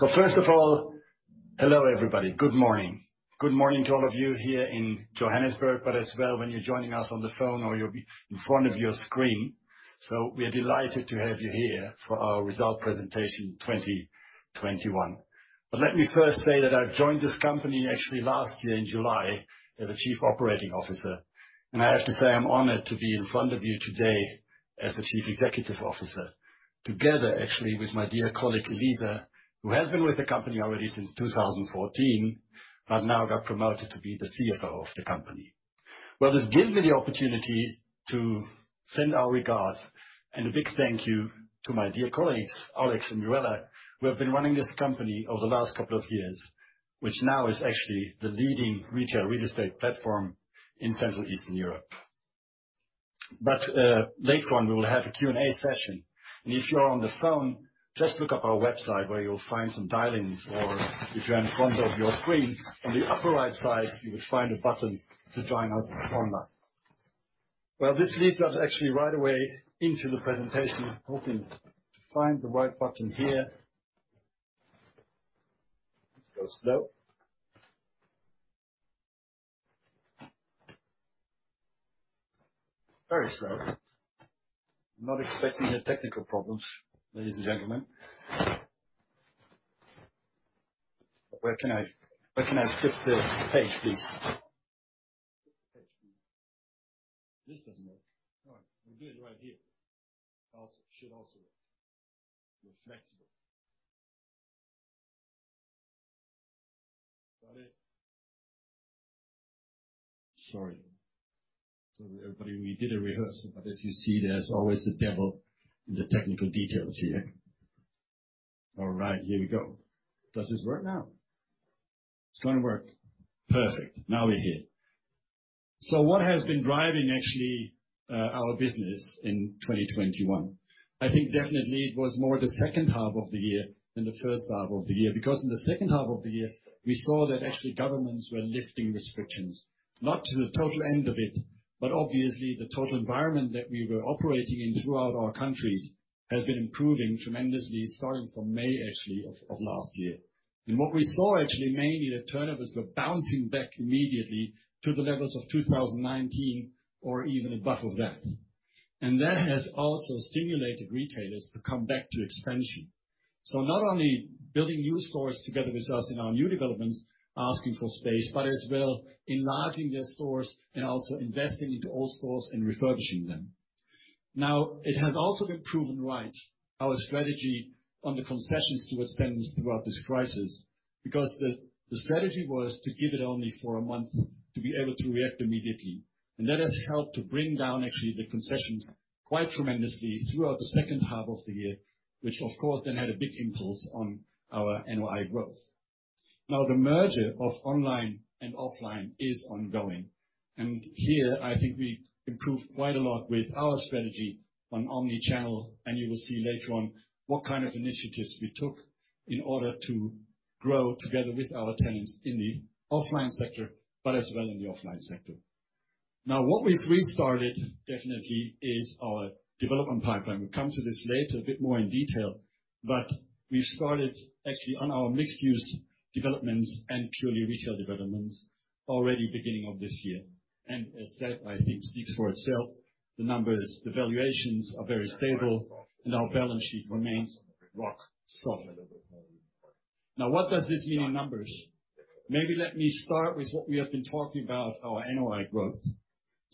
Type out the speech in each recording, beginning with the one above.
First of all, hello everybody. Good morning. Good morning to all of you here in Johannesburg, but as well, when you're joining us on the phone or you'll be in front of your screen. We are delighted to have you here for our result presentation 2021. Let me first say that I joined this company actually last year in July as a Chief Operating Officer. I have to say, I'm honored to be in front of you today as the Chief Executive Officer. Together, actually, with my dear colleague Eliza, who has been with the company already since 2014, but now got promoted to be the CFO of the company. Well, this gives me the opportunity to send our regards and a big thank you to my dear colleagues, Alex and Mirela, who have been running this company over the last couple of years, which now is actually the leading retail real estate platform in Central and Eastern Europe. Later on, we will have a Q&A session. If you're on the phone, just look up our website where you'll find some dial-ins, or if you're in front of your screen, on the upper right side, you will find a button to join us online. Well, this leads us actually right away into the presentation. Hoping to find the right button here. It goes slow. Very slow. I'm not expecting the technical problems, ladies and gentlemen. Where can I flip the page please? This doesn't work. All right, we'll do it right here. Should also work. We're flexible. Got it. Sorry. Sorry everybody. We did a rehearsal, but as you see, there's always the devil in the technical details here. All right, here we go. Does this work now? It's gonna work. Perfect. Now we're here. What has been driving actually our business in 2021? I think definitely it was more the second half of the year than the first half of the year. Because in the second half of the year, we saw that actually governments were lifting restrictions. Not to the total end of it, but obviously the total environment that we were operating in throughout our countries has been improving tremendously starting from May, actually, of last year. What we saw actually, mainly, the turnovers were bouncing back immediately to the levels of 2019 or even above that. That has also stimulated retailers to come back to expansion. Not only building new stores together with us in our new developments, asking for space, but as well enlarging their stores and also investing into all stores and refurbishing them. Now, it has also been proven right, our strategy on the concessions to our tenants throughout this crisis, because the strategy was to give it only for a month to be able to react immediately. That has helped to bring down actually the concessions quite tremendously throughout the second half of the year, which of course then had a big impulse on our NOI growth. Now, the merger of online and offline is ongoing. Here, I think we improved quite a lot with our strategy on omni-channel, and you will see later on what kind of initiatives we took in order to grow together with our tenants in the offline sector, but as well in the offline sector. Now, what we've restarted, definitely, is our development pipeline. We'll come to this later a bit more in detail, but we started actually on our mixed use developments and purely retail developments already beginning of this year. As said, I think speaks for itself, the numbers, the valuations are very stable, and our balance sheet remains rock solid. Now, what does this mean in numbers? Maybe let me start with what we have been talking about, our NOI growth.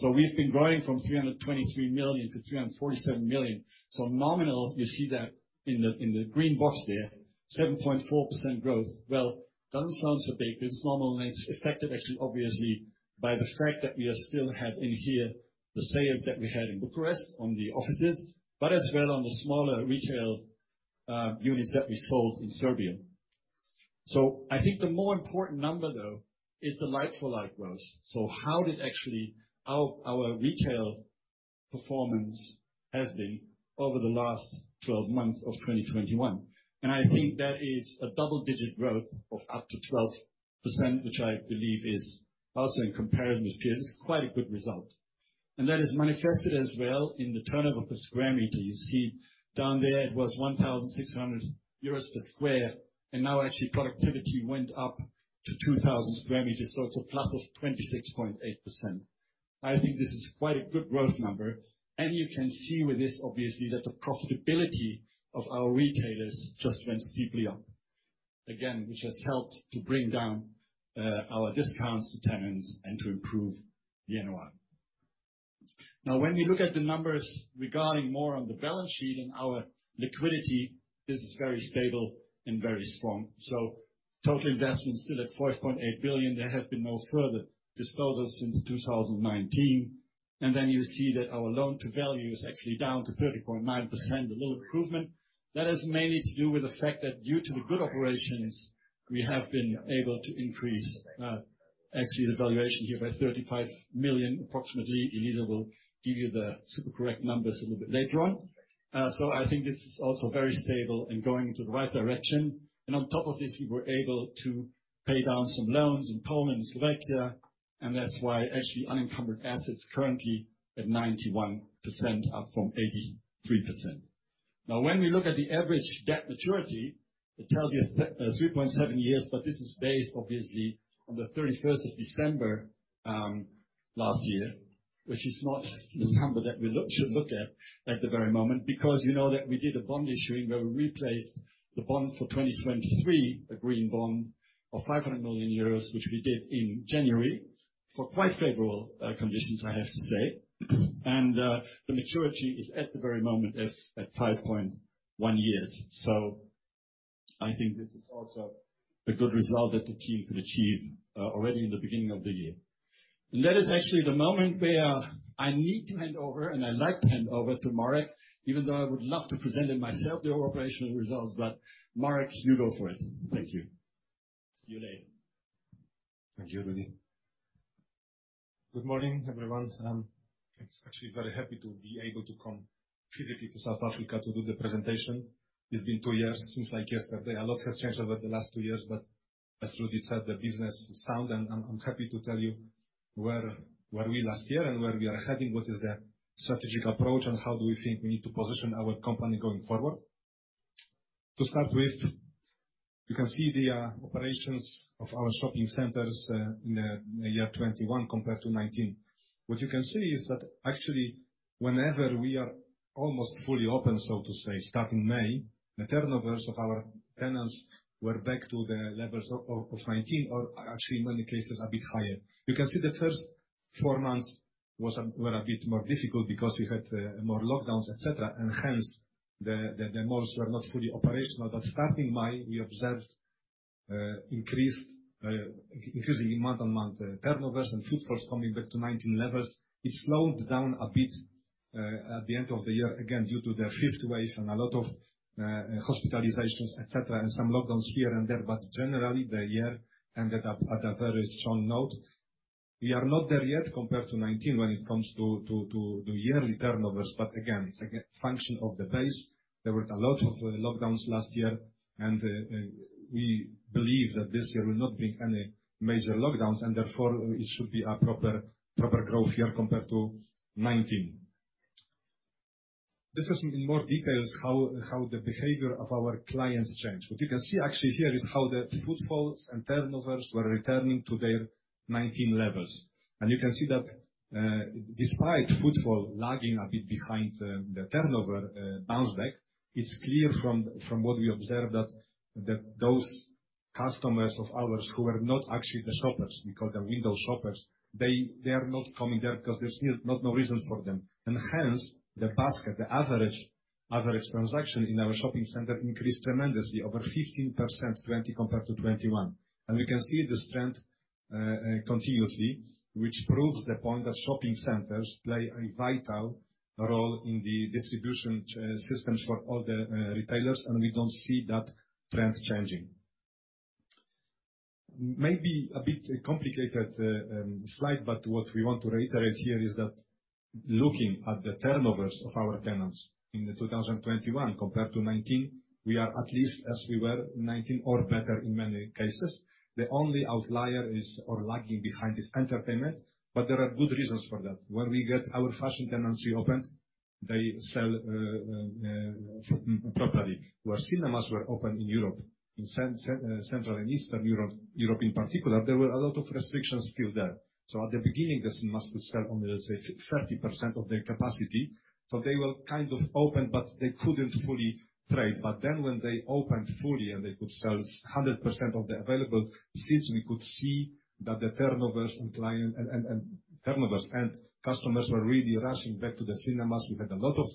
We've been growing from 323 million to 347 million. Nominal, you see that in the, in the green box there, 7.4% growth. Well, doesn't sound so big. It's normal, and it's affected actually, obviously, by the fact that we still have in here the sales that we had in Bucharest on the offices, but as well on the smaller retail units that we sold in Serbia. I think the more important number, though, is the like-for-like growth. How did actually our retail performance has been over the last 12 months of 2021. I think that is a double-digit growth of up to 12%, which I believe is also in comparison with peers, is quite a good result. That is manifested as well in the turnover per square meter. You see down there it was 1,600 euros per sq m, and now actually productivity went up to 2,000 per sq m, so it's a plus of 26.8%. I think this is quite a good growth number. You can see with this, obviously, that the profitability of our retailers just went steeply up. Again, which has helped to bring down our discounts to tenants and to improve the NOI. Now, when we look at the numbers regarding more on the balance sheet and our liquidity, this is very stable and very strong. Total investments still at 4.8 billion. There have been no further disposals since 2019. Then you see that our loan to value is actually down to 30.9%. A little improvement. That has mainly to do with the fact that due to the good operations, we have been able to increase actually the valuation here by 35 million, approximately. Elisa will give you the super correct numbers a little bit later on. So I think this is also very stable and going into the right direction. On top of this, we were able to pay down some loans in Poland and Slovakia. That's why actually unencumbered assets currently at 91%, up from 83%. Now, when we look at the average debt maturity, it tells you three point seven years, but this is based, obviously, on the 31st of December last year. Which is not the number that we should look at the very moment, because you know that we did a bond issuing where we replaced the bond for 2023, a green bond of 500 million euros, which we did in January, for quite favorable conditions, I have to say. The maturity is, at the very moment, at 5.1 years. I think this is also a good result that the team could achieve already in the beginning of the year. That is actually the moment where I need to hand over and I'd like to hand over to Marek, even though I would love to present it myself, the operational results. Marek, you go for it. Thank you. See you later. Thank you Rudi. Good morning, everyone. It's actually very happy to be able to come physically to South Africa to do the presentation. It's been two years, seems like yesterday. A lot has changed over the last two years, but as Rudi said, the business is sound and I'm happy to tell you where we last year and where we are heading, what is the strategic approach, and how do we think we need to position our company going forward. To start with, you can see the operations of our shopping centers in the year 2021 compared to 2019. What you can see is that actually whenever we are almost fully open, so to say, starting May, the turnovers of our tenants were back to the levels of 2019 or actually in many cases a bit higher. You can see the first four months were a bit more difficult because we had more lockdowns, et cetera, and hence the malls were not fully operational. Starting May, we observed increased, increasing month-on-month turnovers and footfalls coming back to 2019 levels. It slowed down a bit at the end of the year, again, due to the fifth wave and a lot of hospitalizations, et cetera, and some lockdowns here and there. Generally, the year ended up at a very strong note. We are not there yet compared to 2019 when it comes to yearly turnovers but again, it's a function of the base. There was a lot of lockdowns last year, we believe that this year will not bring any major lockdowns, and therefore it should be a proper growth year compared to 2019. Discussing in more detail how the behavior of our clients changed. What you can see actually here is how the footfalls and turnovers were returning to their 2019 levels. You can see that, despite footfall lagging a bit behind the turnover bounce back, it's clear from what we observed that those customers of ours who were not actually the shoppers, we call them window shoppers, they are not coming there because there's still not no reason for them. Hence, the basket, the average transaction in our shopping center increased tremendously, over 15% 2020 compared to 2021. We can see this trend continuously, which proves the point that shopping centers play a vital role in the distribution systems for all the retailers, and we don't see that trend changing. Maybe a bit complicated slide, but what we want to reiterate here is that looking at the turnovers of our tenants in 2021 compared to 2019, we are at least as we were in 2019 or better in many cases. The only outlier, or lagging behind, is entertainment. There are good reasons for that. When we get our fashion tenants reopened, they sell properly. Where cinemas were open in Europe, in Central and Eastern Europe in particular, there were a lot of restrictions still there. At the beginning, the cinemas could sell only, let's say, thirty percent of their capacity. They were kind of open, but they couldn't fully trade. When they opened fully and they could sell hundred percent of the available seats, we could see that the turnovers and customers were really rushing back to the cinemas. We had a lot of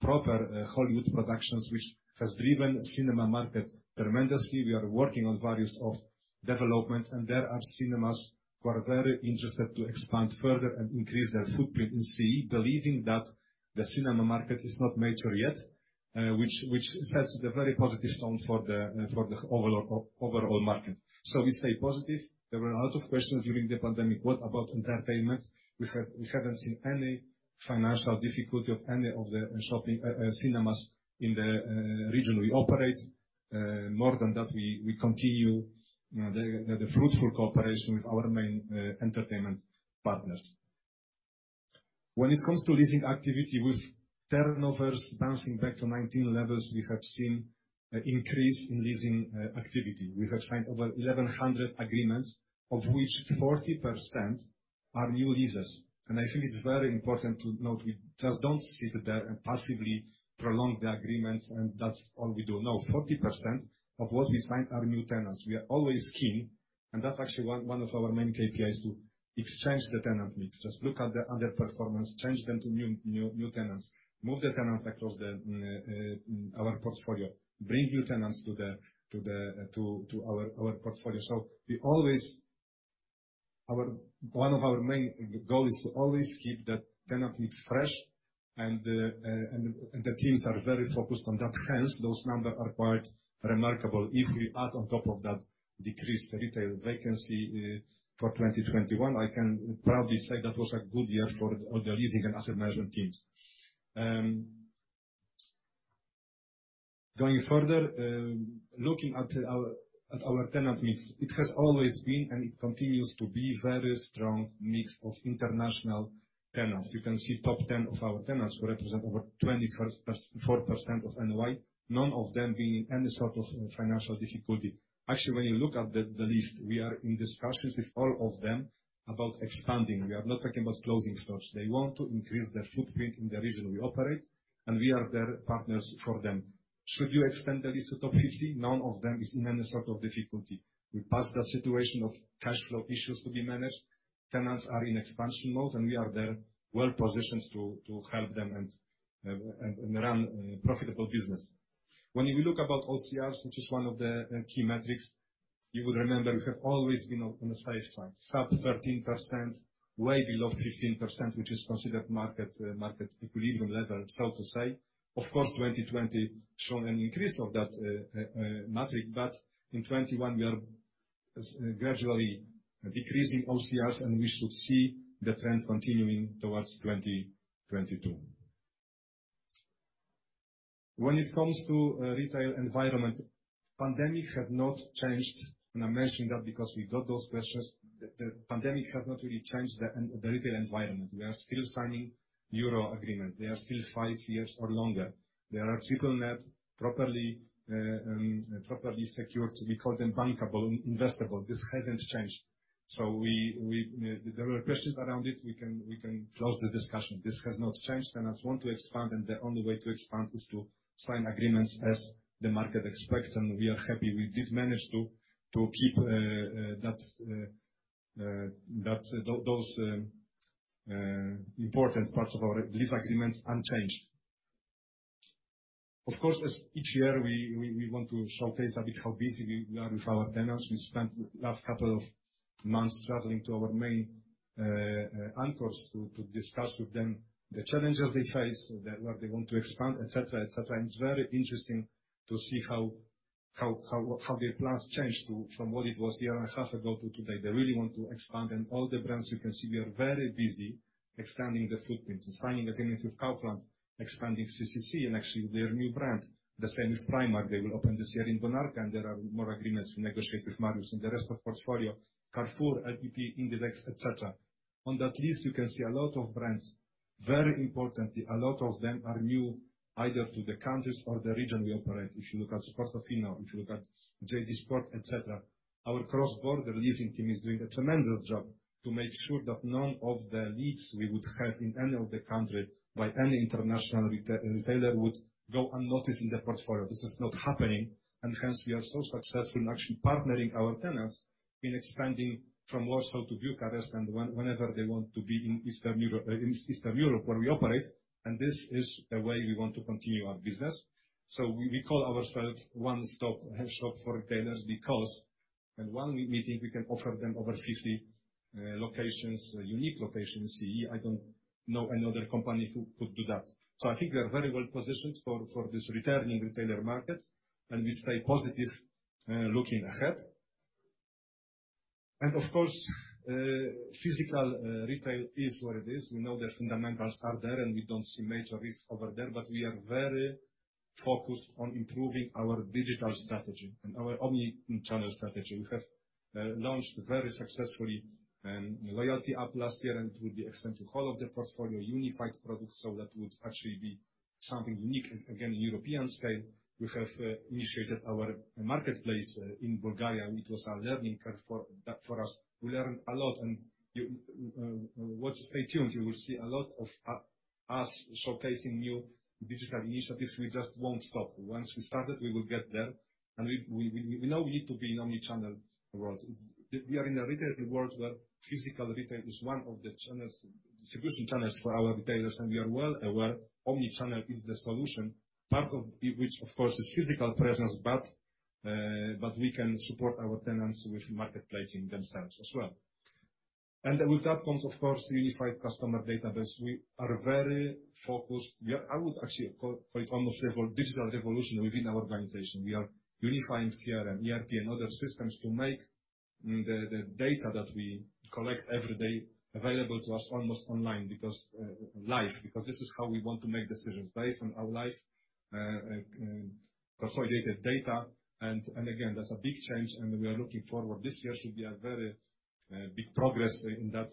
proper Hollywood productions, which has driven cinema market tremendously. We are working on various of developments, and there are cinemas who are very interested to expand further and increase their footprint in CE, believing that the cinema market is not mature yet, which sets the very positive tone for the overall market. We stay positive. There were a lot of questions during the pandemic, what about entertainment? We haven't seen any financial difficulty of any of the shopping, cinemas in the region we operate. More than that, we continue the fruitful cooperation with our main entertainment partners. When it comes to leasing activity, with turnovers bouncing back to 2019 levels, we have seen an increase in leasing activity. We have signed over 1,100 agreements, of which 40% are new leases. I think it's very important to note, we just don't sit there and passively prolong the agreements and that's all we do. No, 40% of what we signed are new tenants. We are always keen, and that's actually one of our main KPIs, to exchange the tenant mix. Just look at the underperformance, change them to new tenants, move the tenants across our portfolio, bring new tenants to our portfolio. One of our main goal is to always keep the tenant mix fresh and the teams are very focused on that. Hence, those number are quite remarkable. If we add on top of that decreased retail vacancy for 2021, I can proudly say that was a good year for the leasing and asset management teams. Going further, looking at our tenant mix, it has always been and it continues to be very strong mix of international tenants. You can see top ten of our tenants who represent over 24% of NOI, none of them being in any sort of financial difficulty. Actually when you look at the list, we are in discussions with all of them about expanding. We are not talking about closing stores. They want to increase their footprint in the region we operate, and we are their partners for them. Should you extend the list to 50, none of them is in any sort of difficulty. We passed that situation of cash flow issues to be managed. Tenants are in expansion mode, and we are there well-positioned to help them and run profitable business. When you look about OCRs, which is one of the key metrics, you will remember we have always been on the safe side. Sub 13%, way below 15%, which is considered market equilibrium level, so to say. Of course, 2020 shown an increase of that metric, but in 2021 we are gradually decreasing OCRs, and we should see the trend continuing towards 2022. When it comes to retail environment, pandemic has not changed. I'm mentioning that because we got those questions. The pandemic has not really changed the retail environment. We are still signing Euro agreement. They are still five years or longer. There are triple net, properly secured we call them bankable, investable. This hasn't changed, there were questions around it. We can close the discussion. This has not changed. Tenants want to expand, and the only way to expand is to sign agreements as the market expects. We are happy we did manage to keep that those important parts of our lease agreements unchanged. Of course, as each year, we want to showcase a bit how busy we are with our tenants. We spent the last couple of months traveling to our main anchors to discuss with them the challenges they face, where they want to expand, et cetera, et cetera. It's very interesting to see how their plans changed from what it was a year and a half ago to today. They really want to expand. All the brands you can see, we are very busy expanding the footprint and signing agreements with Kaufland, expanding CCC, and actually their new brand. The same with Primark. They will open this year in Bonarka, and there are more agreements we negotiate with Marius and the rest of portfolio. Carrefour, LPP, Inditex, et cetera. On that list, you can see a lot of brands. Very importantly, a lot of them are new, either to the countries or the region we operate. If you look at Sportano, if you look at JD Sports, et cetera. Our cross-border leasing team is doing a tremendous job to make sure that none of the leads we would have in any of the countries by any international retailer would go unnoticed in the portfolio. This is not happening, and hence we are so successful in actually partnering our tenants in expanding from Warsaw to Bucharest and whenever they want to be in Eastern Europe, where we operate, and this is the way we want to continue our business. We call ourselves one-stop shop for retailers because in one meeting we can offer them over 50 locations, unique locations. See, I don't know another company who could do that. I think we are very well positioned for this returning retailer market, and we stay positive looking ahead. Of course, physical retail is where it is. We know the fundamentals are there, and we don't see major risk over there, but we are very focused on improving our digital strategy and our omni-channel strategy. We have launched very successfully loyalty app last year, and it will be extended to all of the portfolio, unified products. That would actually be something unique, again, in European scale. We have initiated our marketplace in Bulgaria. It was a learning curve for us. We learned a lot, and you, well, stay tuned. You will see a lot of us showcasing new digital initiatives. We just won't stop. Once we started, we will get there. We know we need to be in omni-channel world. We are in a retail world where physical retail is one of the channels, distribution channels for our retailers, and we are well aware omni-channel is the solution, part of which, of course, is physical presence, but we can support our tenants with marketplace in themselves as well. With that comes, of course, unified customer database. We are very focused. I would actually call quite almost a digital revolution within our organization. We are unifying CRM, ERP, and other systems to make the data that we collect every day available to us almost online because live, because this is how we want to make decisions, based on our live consolidated data. Again, that's a big change, and we are looking forward. This year should be a very big progress in that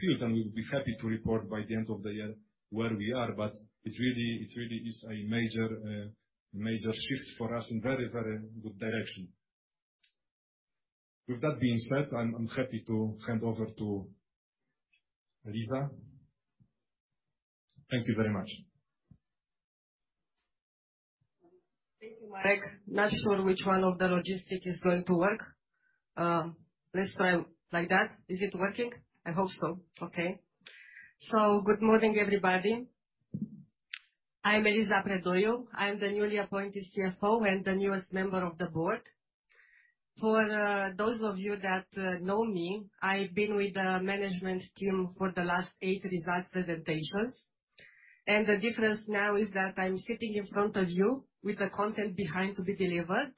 field, and we'll be happy to report by the end of the year where we are. It really is a major shift for us in very, very good direction. With that being said, I'm happy to hand over to Eliza. Thank you very much. Thank you Marek. Not sure which one of the logistics is going to work. Let's try like that. Is it working? I hope so. Okay. Good morning everybody. I'm Eliza Predoiu. I'm the newly appointed CFO and the newest member of the board. For those of you that know me, I've been with the management team for the last eight results presentations, and the difference now is that I'm sitting in front of you with the content behind to be delivered.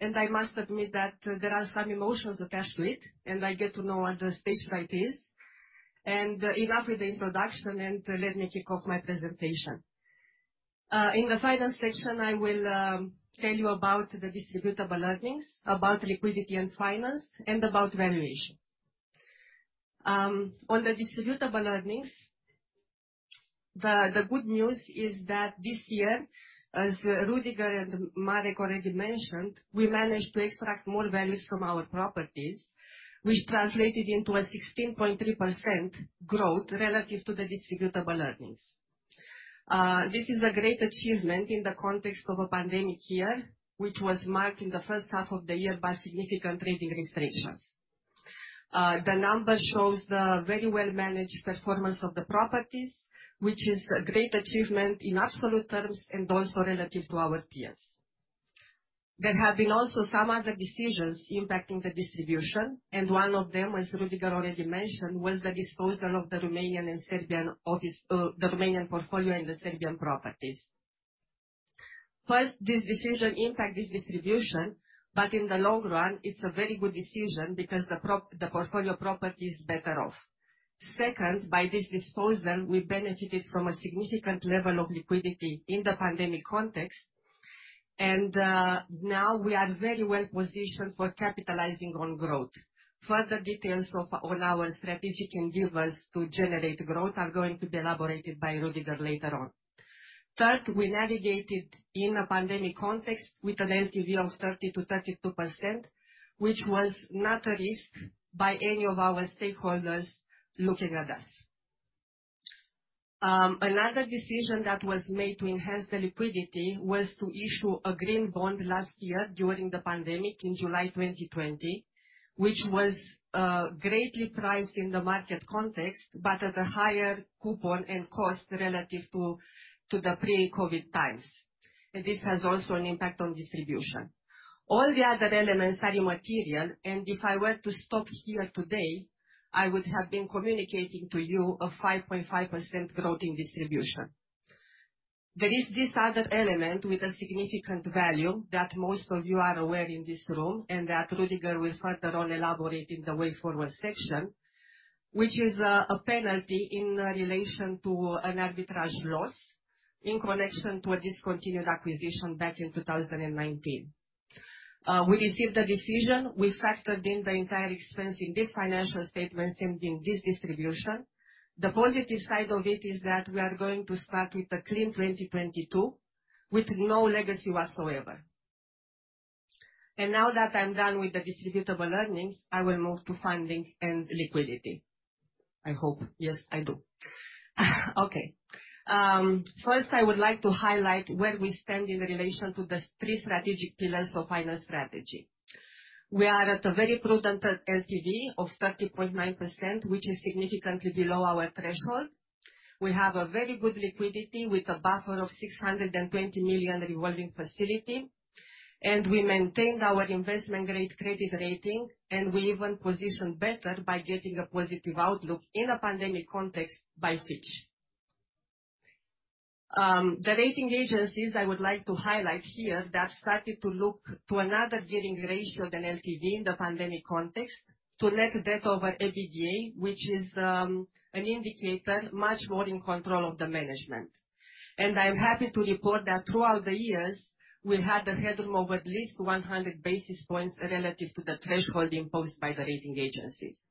I must admit that there are some emotions attached to it, and I get to know what the stage fright is. Enough with the introduction, and let me kick off my presentation. In the final section, I will tell you about the distributable earnings, about liquidity and finance, and about valuations. On the distributable earnings, the good news is that this year, as Rüdiger and Marek already mentioned, we managed to extract more values from our properties, which translated into a 16.3% growth relative to the distributable earnings. This is a great achievement in the context of a pandemic year, which was marked in the first half of the year by significant trading restrictions. The number shows the very well-managed performance of the properties, which is a great achievement in absolute terms and also relative to our peers. There have been also some other decisions impacting the distribution, and one of them, as Rüdiger already mentioned, was the disposal of the Romanian and Serbian office, the Romanian portfolio and the Serbian properties. First, this decision impact this distribution, but in the long run, it's a very good decision because the portfolio property is better off. Second, by this disposal, we benefited from a significant level of liquidity in the pandemic context, and now we are very well-positioned for capitalizing on growth. Further details on our strategic endeavors to generate growth are going to be elaborated by Rüdiger later on. Third, we navigated in a pandemic context with an LTV of 30%-32%, which was not a risk by any of our stakeholders looking at us. Another decision that was made to enhance the liquidity was to issue a green bond last year during the pandemic in July 2020, which was greatly priced in the market context, but at a higher coupon and cost relative to the pre-COVID times. This has also an impact on distribution. All the other elements are immaterial, and if I were to stop here today, I would have been communicating to you a 5.5% growth in distribution. There is this other element with a significant value that most of you are aware in this room and that Rüdiger will further on elaborate in the way forward section, which is a penalty in relation to an arbitrage loss in connection to a discontinued acquisition back in 2019. We received the decision. We factored in the entire expense in this financial statement and in this distribution. The positive side of it is that we are going to start with a clean 2022 with no legacy whatsoever. Now that I'm done with the distributable earnings, I will move to funding and liquidity. I hope. Yes, I do. Okay. First, I would like to highlight where we stand in relation to the three strategic pillars of finance strategy. We are at a very prudent LTV of 30.9%, which is significantly below our threshold. We have a very good liquidity with a buffer of 620 million revolving facility, and we maintained our investment-grade credit rating, and we even positioned better by getting a positive outlook in a pandemic context by Fitch. The rating agencies, I would like to highlight here, they have started to look to another gearing ratio than LTV in the pandemic context to net debt over EBITDA, which is an indicator much more in control of the management. I'm happy to report that throughout the years, we had a headroom of at least 100 basis points relative to the threshold imposed by the rating agencies.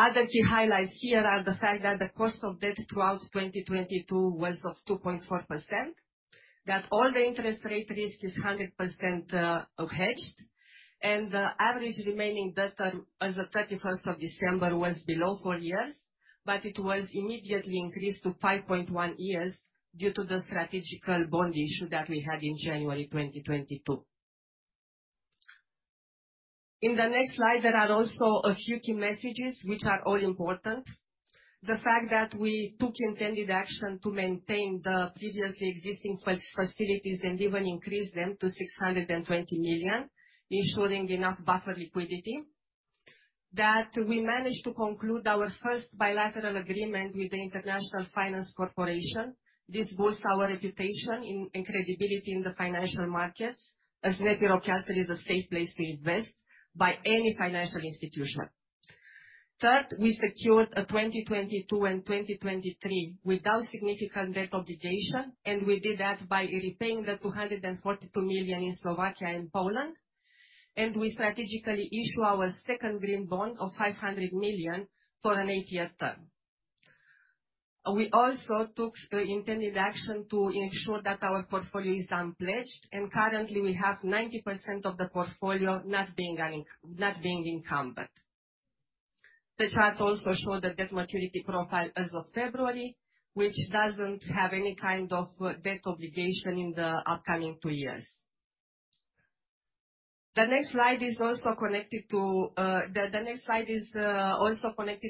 Other key highlights here are the fact that the cost of debt throughout 2022 was 2.4%, that all the interest rate risk is 100% hedged, and the average remaining debt term as of31st December was below four years, but it was immediately increased to 5.1 years due to the strategic bond issue that we had in January 2022. In the next slide, there are also a few key messages which are all important. The fact that we took intended action to maintain the previously existing facilities and even increase them to 620 million, ensuring enough buffer liquidity. That we managed to conclude our first bilateral agreement with the International Finance Corporation. This boosts our reputation and credibility in the financial markets as NEPI Rockcastle is a safe place to invest by any financial institution. Third, we secured 2022 and 2023 without significant debt obligation, and we did that by repaying the 242 million in Slovakia and Poland. We strategically issue our second green bond of 500 million for an eight-year term. We also took intended action to ensure that our portfolio is unpledged, and currently we have 90% of the portfolio not being encumbered. The chart also show the debt maturity profile as of February, which doesn't have any kind of debt obligation in the upcoming two years. The next slide is also connected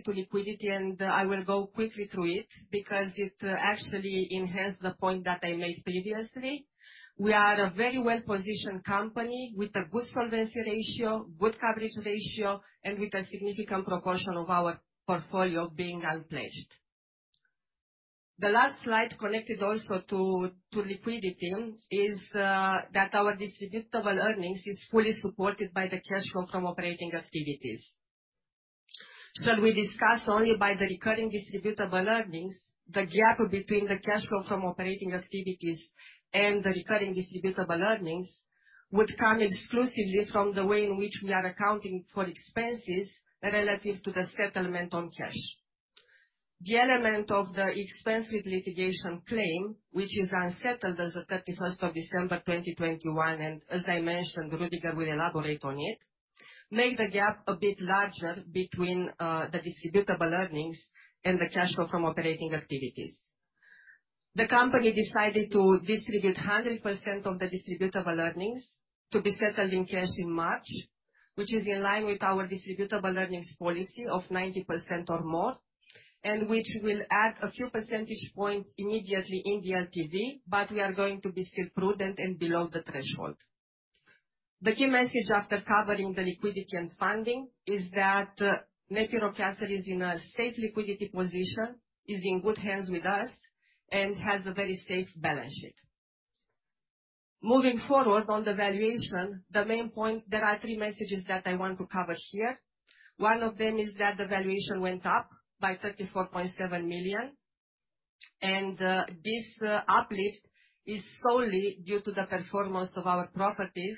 to liquidity, and I will go quickly through it because it actually enhance the point that I made previously. We are a very well-positioned company with a good solvency ratio, good coverage ratio, and with a significant proportion of our portfolio being unpledged. The last slide connected also to liquidity is that our distributable earnings is fully supported by the cash flow from operating activities. We discuss only by the recurring distributable earnings, the gap between the cash flow from operating activities and the recurring distributable earnings would come exclusively from the way in which we are accounting for expenses relative to the settlement on cash. The element of the expense with litigation claim, which is unsettled as at 31st December 2021, and as I mentioned, Rüdiger will elaborate on it, makes the gap a bit larger between the distributable earnings and the cash flow from operating activities. The company decided to distribute 100% of the distributable earnings to be settled in cash in March, which is in line with our distributable earnings policy of 90% or more, and which will add a few percentage points immediately in the LTV, but we are going to be still prudent and below the threshold. The key message after covering the liquidity and funding is that NEPI Rockcastle is in a safe liquidity position, is in good hands with us, and has a very safe balance sheet. Moving forward on the valuation, the main point, there are three messages that I want to cover here. One of them is that the valuation went up by 34.7 million. This uplift is solely due to the performance of our properties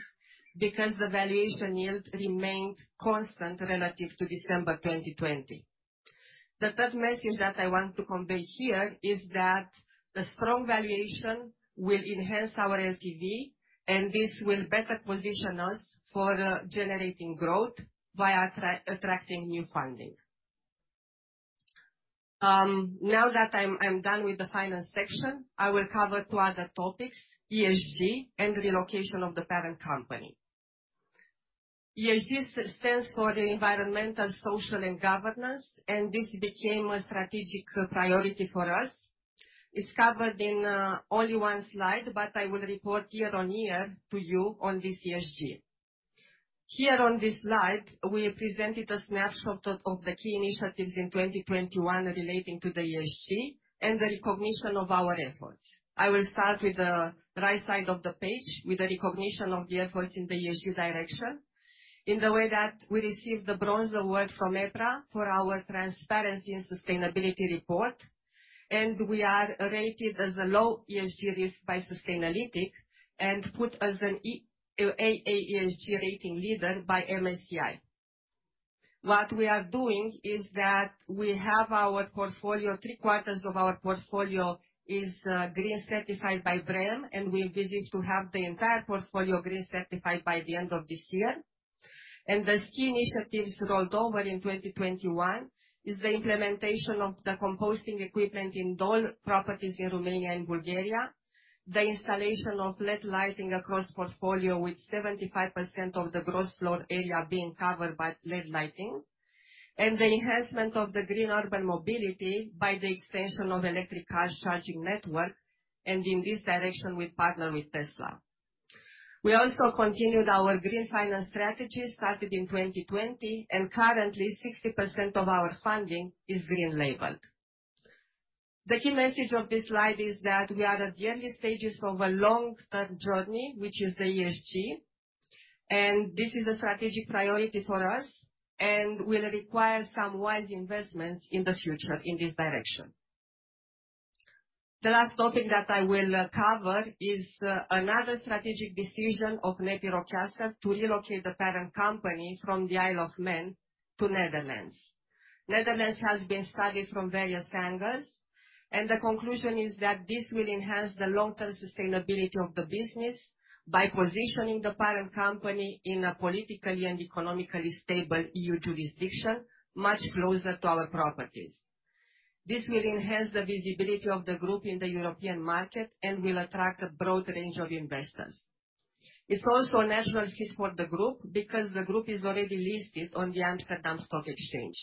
because the valuation yield remained constant relative to December 2020. The third message that I want to convey here is that the strong valuation will enhance our LTV, and this will better position us for generating growth via attracting new funding. Now that I'm done with the finance section, I will cover two other topics, ESG and relocation of the parent company. ESG stands for the environmental, social and governance, and this became a strategic priority for us. It's covered in only one slide, but I will report year-on-year to you on this ESG. Here on this slide, we presented a snapshot of the key initiatives in 2021 relating to the ESG and the recognition of our efforts. I will start with the right side of the page with the recognition of the efforts in the ESG direction in the way that we received the bronze award from EPRA for our transparency and sustainability report. We are rated as a low ESG risk by Sustainalytics and put as an A ESG rating leader by MSCI. What we are doing is that we have our portfolio. Three-quarters of our portfolio is green certified by BREEAM, and we're busy to have the entire portfolio green certified by the end of this year. The key initiatives rolled over in 2021 is the implementation of the composting equipment in all properties in Romania and Bulgaria, the installation of LED lighting across portfolio, with 75% of the gross floor area being covered by LED lighting, and the enhancement of the green urban mobility by the extension of electric car charging network, and in this direction we partner with Tesla. We also continued our green finance strategy started in 2020, and currently 60% of our funding is green labeled. The key message of this slide is that we are at the early stages of a long-term journey, which is the ESG, and this is a strategic priority for us and will require some wise investments in the future in this direction. The last topic that I will cover is another strategic decision of NEPI Rockcastle to relocate the parent company from the Isle of Man to the Netherlands. The Netherlands has been studied from various angles, and the conclusion is that this will enhance the long-term sustainability of the business by positioning the parent company in a politically and economically stable EU jurisdiction, much closer to our properties. This will enhance the visibility of the group in the European market and will attract a broad range of investors. It's also a natural fit for the group because the group is already listed on the Amsterdam Stock Exchange.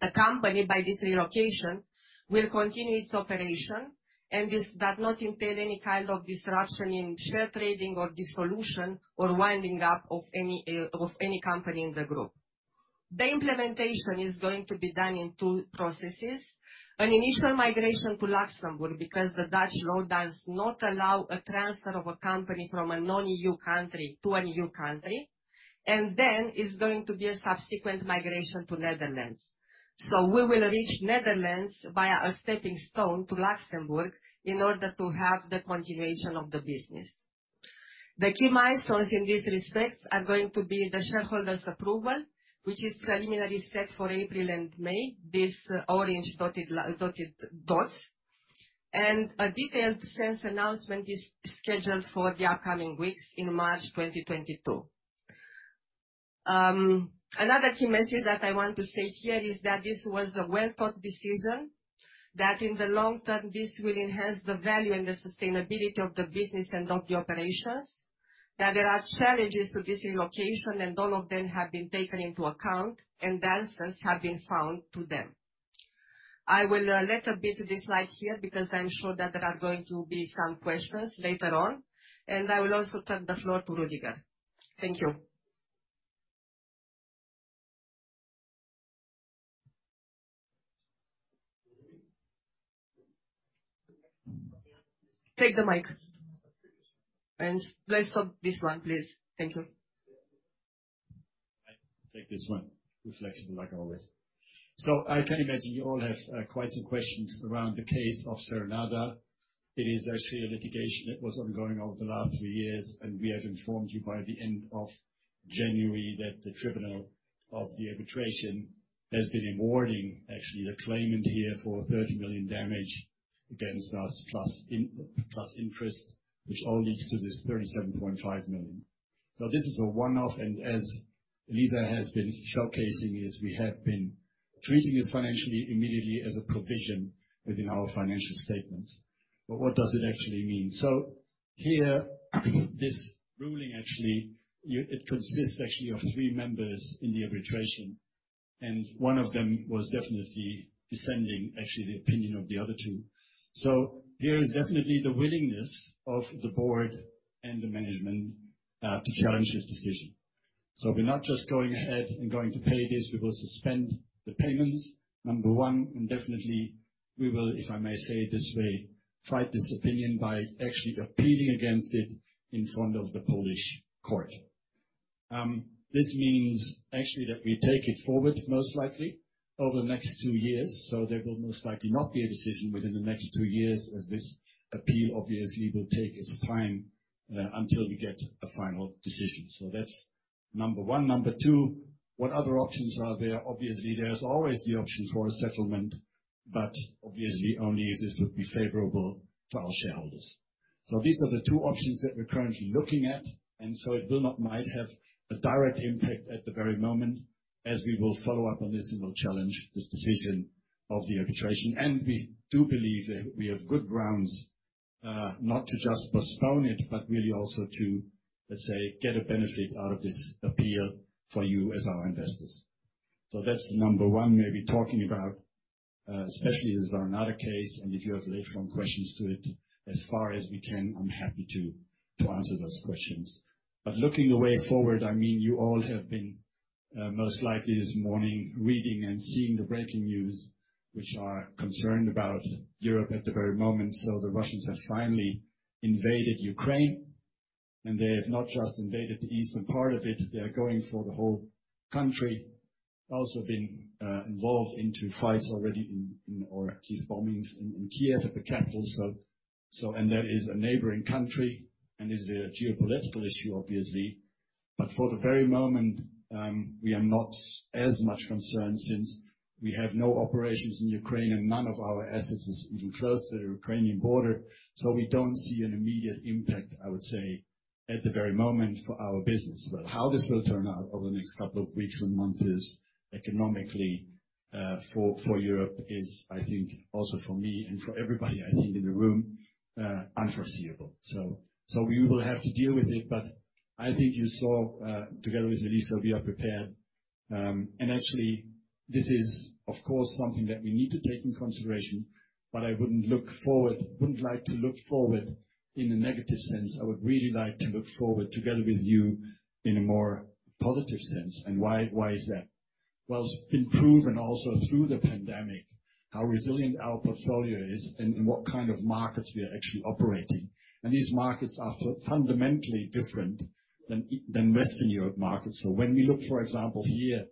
The company, by this relocation, will continue its operation, and this does not entail any kind of disruption in share trading or dissolution or winding up of any company in the group. The implementation is going to be done in two processes: an initial migration to Luxembourg, because the Dutch law does not allow a transfer of a company from a non-EU country to an EU country, and then it's going to be a subsequent migration to the Netherlands. We will reach the Netherlands via a stepping stone to Luxembourg in order to have the continuation of the business. The key milestones in this respect are going to be the shareholders' approval, which is preliminary set for April and May, this orange dotted dotted dots, and a detailed SENS announcement is scheduled for the upcoming weeks in March 2022. Another key message that I want to say here is that this was a well-thought decision, that in the long term this will enhance the value and the sustainability of the business and of the operations, that there are challenges to this relocation and all of them have been taken into account and answers have been found to them. I will let a bit this slide here because I'm sure that there are going to be some questions later on, and I will also turn the floor to Rüdiger. Thank you. Take the mic. Let's start this one please. Thank you. I take this one. We're flexible like always. I can imagine you all have quite some questions around the case of Serenada. It is actually a litigation that was ongoing over the last three years, and we have informed you by the end of January that the tribunal of the arbitration has been awarding actually a claimant here for 30 million damage against us, plus interest, which all leads to this 37.5 million. This is a one-off, and as Eliza has been showcasing is we have been treating this financially immediately as a provision within our financial statements. What does it actually mean? Here, this ruling actually, it consists actually of three members in the arbitration, and one of them was definitely dissenting actually the opinion of the other two. There is definitely the willingness of the board and the management to challenge this decision. We're not just going ahead and going to pay this. We will suspend the payments, number one, and definitely we will, if I may say it this way, fight this opinion by actually appealing against it in front of the Polish court. This means actually that we take it forward most likely over the next two years. There will most likely not be a decision within the next two years as this appeal obviously will take its time until we get a final decision. That's number one. Number two, what other options are there? Obviously, there's always the option for a settlement, but obviously only if this would be favorable for our shareholders. These are the two options that we're currently looking at, and so it will not have a direct impact at the very moment as we will follow up on this and will challenge this decision of the arbitration. We do believe that we have good grounds, not to just postpone it, but really also to, let's say, get a benefit out of this appeal for you as our investors. That's number one, maybe talking about, especially the Serenada case, and if you have later on questions to it, as far as we can, I'm happy to answer those questions. Looking to the way forward, I mean, you all have been, most likely this morning reading and seeing the breaking news which are concerned about Europe at the very moment. The Russians have finally invaded Ukraine, and they have not just invaded the eastern part of it, they are going for the whole country, or at least bombings in Kyiv, at the capital. That is a neighboring country, and is a geopolitical issue obviously. But for the very moment, we are not as much concerned since we have no operations in Ukraine and none of our assets is even close to the Ukrainian border. We don't see an immediate impact, I would say, at the very moment for our business. But how this will turn out over the next couple of weeks and months is economically for Europe, I think, also for me and for everybody I think in the room, unforeseeable. We will have to deal with it, but I think you saw, together with Eliza, we are prepared. Actually this is of course something that we need to take into consideration, but I wouldn't like to look forward in a negative sense. I would really like to look forward together with you in a more positive sense. Why is that? Well, it's been proven also through the pandemic how resilient our portfolio is and what kind of markets we are actually operating. These markets are fundamentally different than Western Europe markets. When we look, for example, here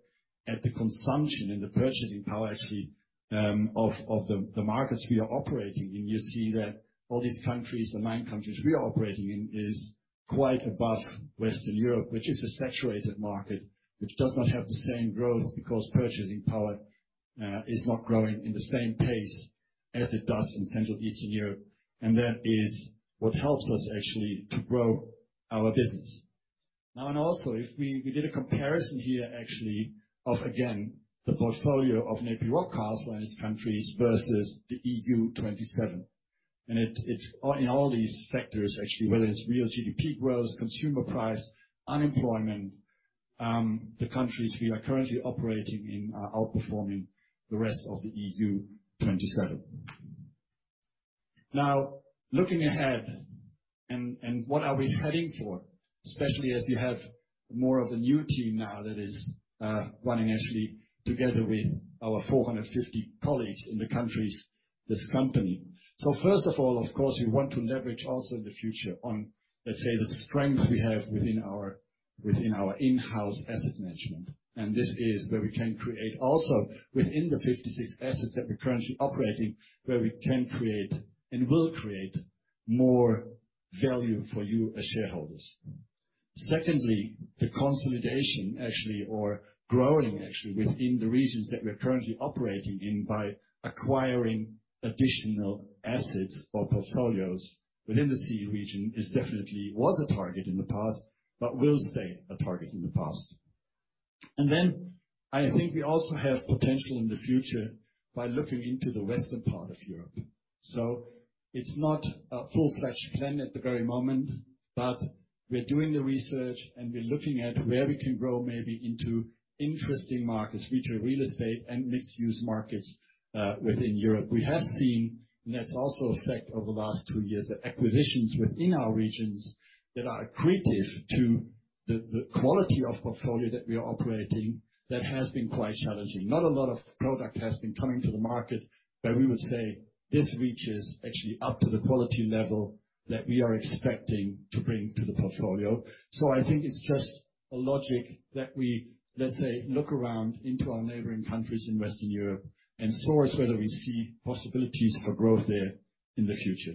at the consumption and the purchasing power actually of the markets we are operating in, you see that all these countries, the nine countries we are operating in, is quite above Western Europe, which is a saturated market, which does not have the same growth because purchasing power is not growing in the same pace as it does in Central Eastern Europe. That is what helps us actually to grow our business. If we did a comparison here actually of, again, the portfolio of NEPI Rockcastle and its countries versus the EU 27. It's in all these sectors actually, whether it's real GDP growth, consumer price, unemployment, the countries we are currently operating in are outperforming the rest of the EU 27. Now, looking ahead, and what are we heading for? Especially as you have more of a new team now that is running actually together with our 450 colleagues in the countries, this company. First of all, of course, we want to leverage also in the future on, let's say, the strength we have within our in-house asset management. This is where we can create also within the 56 assets that we're currently operating, where we can create and will create more value for you as shareholders. Secondly, the consolidation actually or growing actually within the regions that we're currently operating in by acquiring additional assets or portfolios within the CEE region is definitely was a target in the past, but will stay a target in the past. I think we also have potential in the future by looking into the western part of Europe. It's not a full-fledged plan at the very moment, but we're doing the research, and we're looking at where we can grow maybe into interesting markets, be it real estate and mixed-use markets, within Europe. We have seen, and that's also a fact over the last two years, that acquisitions within our regions that are accretive to the quality of portfolio that we are operating, that has been quite challenging. Not a lot of product has been coming to the market where we would say, "This reaches actually up to the quality level that we are expecting to bring to the portfolio." I think it's just a logic that we, let's say, look around into our neighboring countries in Western Europe and source whether we see possibilities for growth there in the future.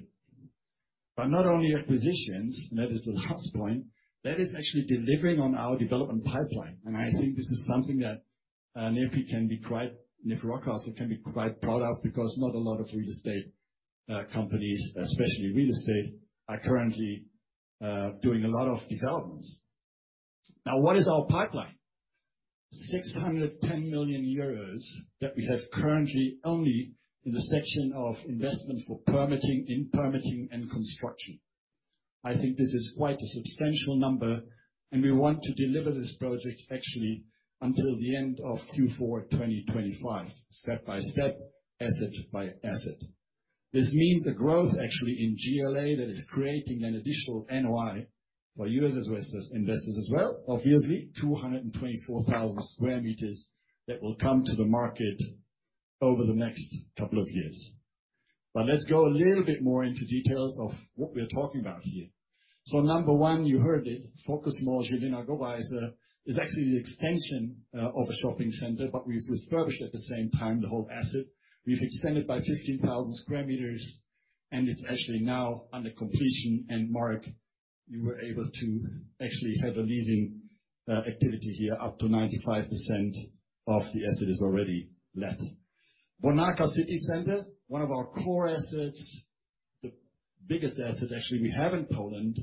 Not only acquisitions, that is the hot point, that is actually delivering on our development pipeline. I think this is something that NEPI Rockcastle can be quite proud of, because not a lot of real estate companies, especially real estate, are currently doing a lot of developments. Now, what is our pipeline? 610 million euros that we have currently only in the section of investment for permitting, in permitting and construction. I think this is quite a substantial number, and we want to deliver this project actually until the end of Q4 2025, step by step, asset by asset. This means a growth actually in GLA that is creating an additional NOI for you as investors as well. Obviously, 224,000 sq m that will come to the market over the next couple of years. Let's go a little bit more into details of what we're talking about here. Number one, you heard it, Focus Mall Giulești-Băneasa is actually the extension of a shopping center, but we've refurbished at the same time the whole asset. We've extended by 15,000 sq m, and it's actually now under completion, and Marek, you were able to actually have a leasing activity here. Up to 95% of the asset is already let. Bonarka City Center, one of our core assets, the biggest asset actually we have in Poland,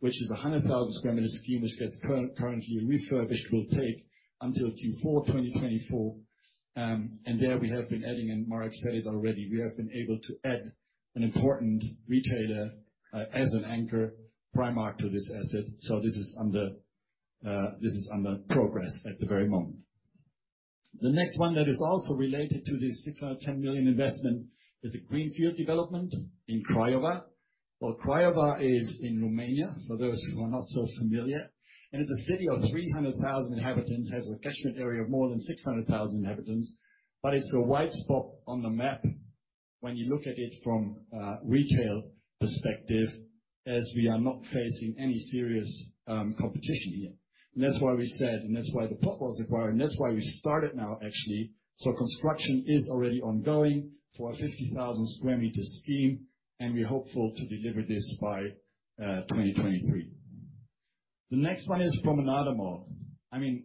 which is a 100,000 sq m scheme, which gets currently refurbished, will take until Q4 2024. There we have been adding, and Marek said it already, we have been able to add an important retailer, as an anchor, Primark, to this asset. This is under progress at the very moment. The next one that is also related to this 610 million investment is a greenfield development in Craiova. Well, Craiova is in Romania, for those who are not so familiar. It's a city of 300,000 inhabitants, has a catchment area of more than 600,000 inhabitants, but it's a white spot on the map when you look at it from a retail perspective, as we are not facing any serious competition here. That's why we said, and that's why the plot was acquired, and that's why we started now actually. Construction is already ongoing for a 50,000 sq m scheme, and we're hopeful to deliver this by 2023. The next one is Promenada Mall. I mean,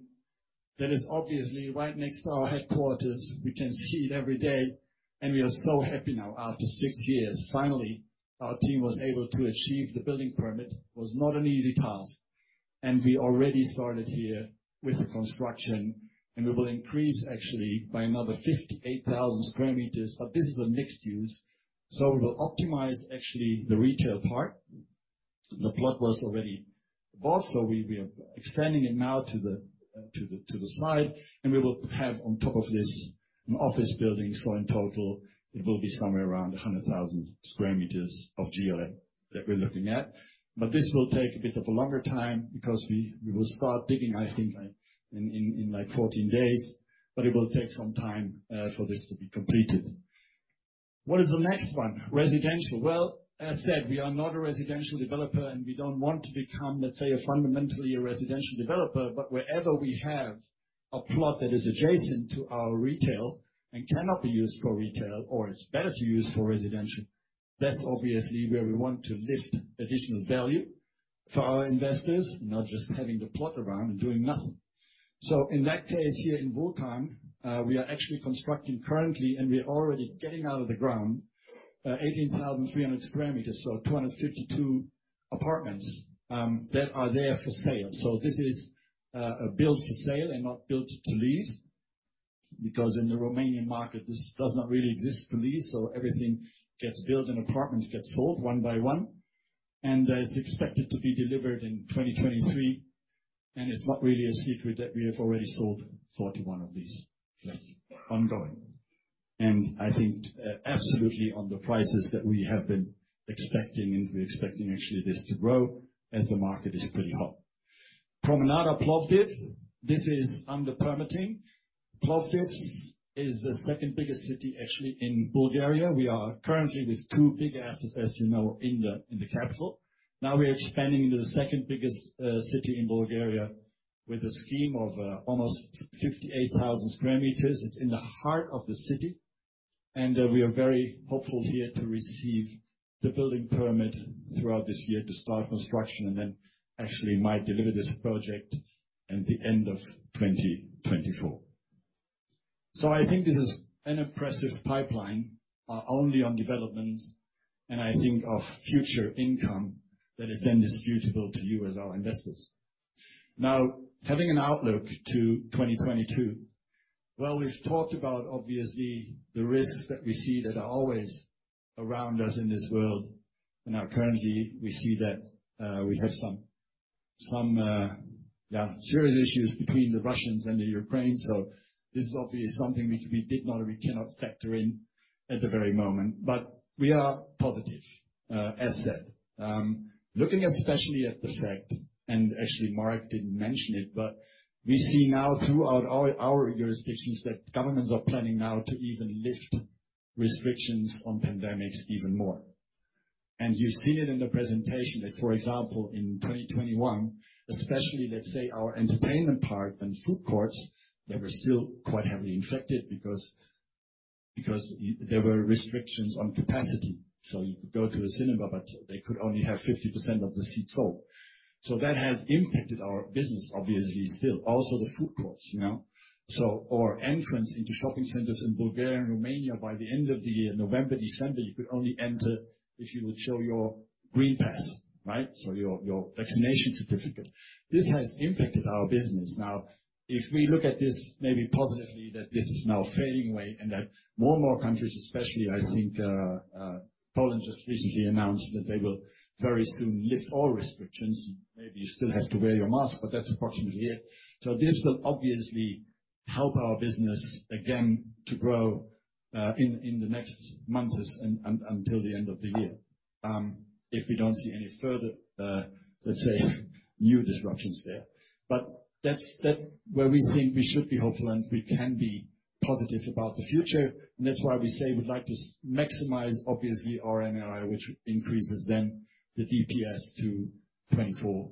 that is obviously right next to our headquarters. We can see it every day, and we are so happy now. After six years, finally our team was able to achieve the building permit. It was not an easy task. We already started here with the construction, and we will increase actually by another 58,000 sq m. This is a mixed use. We'll optimize actually the retail part. The plot was already bought, so we are expanding it now to the side, and we will have on top of this an office building. In total, it will be somewhere around 100,000 sq m of GLA that we're looking at. This will take a bit of a longer time because we will start digging I think, like, in 14 days, but it will take some time for this to be completed. What is the next one? Residential. Well, as said, we are not a residential developer, and we don't want to become, let's say, a fundamentally a residential developer. Wherever we have a plot that is adjacent to our retail and cannot be used for retail or is better to use for residential, that's obviously where we want to lift additional value for our investors, not just having the plot around and doing nothing. In that case, here in Bucharest, we are actually constructing currently, and we are already getting out of the ground 18,300 sq m, so 252 apartments that are there for sale. This is built for sale and not built to lease because in the Romanian market, this does not really exist to lease. Everything gets built and apartments get sold one by one. It's expected to be delivered in 2023. It's not really a secret that we have already sold 41 of these plots ongoing. I think absolutely on the prices that we have been expecting, and we're expecting actually this to grow as the market is pretty hot. Promenada Plovdiv, this is under permitting. Plovdiv is the second biggest city actually in Bulgaria. We are currently with two big assets, as you know, in the capital. Now we are expanding to the second biggest city in Bulgaria with a scheme of almost 58,000 sq m. It's in the heart of the city. We are very hopeful here to receive the building permit throughout this year to start construction and then actually might deliver this project at the end of 2024. I think this is an impressive pipeline only on developments, and I think of future income that is then distributable to you as our investors. Now, having an outlook to 2022, we've talked about obviously the risks that we see that are always around us in this world. Currently, we see that we have some serious issues between the Russians and the Ukraine. This obviously is something we did not and we cannot factor in at the very moment. We are positive, as said. Looking especially at the fact, and actually Mark didn't mention it, but we see now throughout all our jurisdictions that governments are planning now to even lift restrictions on pandemics even more. You see it in the presentation that, for example, in 2021, especially let's say our entertainment part and food courts, they were still quite heavily infected because there were restrictions on capacity. You could go to a cinema, but they could only have 50% of the seats full. That has impacted our business obviously still. Also, the food courts, you know. Entrance into shopping centers in Bulgaria and Romania by the end of the year, November, December, you could only enter if you would show your green pass, right? Your vaccination certificate. This has impacted our business. Now, if we look at this maybe positively that this is now fading away and that more and more countries, especially I think, Poland just recently announced that they will very soon lift all restrictions. Maybe you still have to wear your mask, but that's fortunately it. This will obviously help our business again to grow in the next months and until the end of the year, if we don't see any further, let's say, new disruptions there. That's where we think we should be hopeful and we can be positive about the future. That's why we say we'd like to maximize, obviously, our NRI, which increases then the DPS to 24%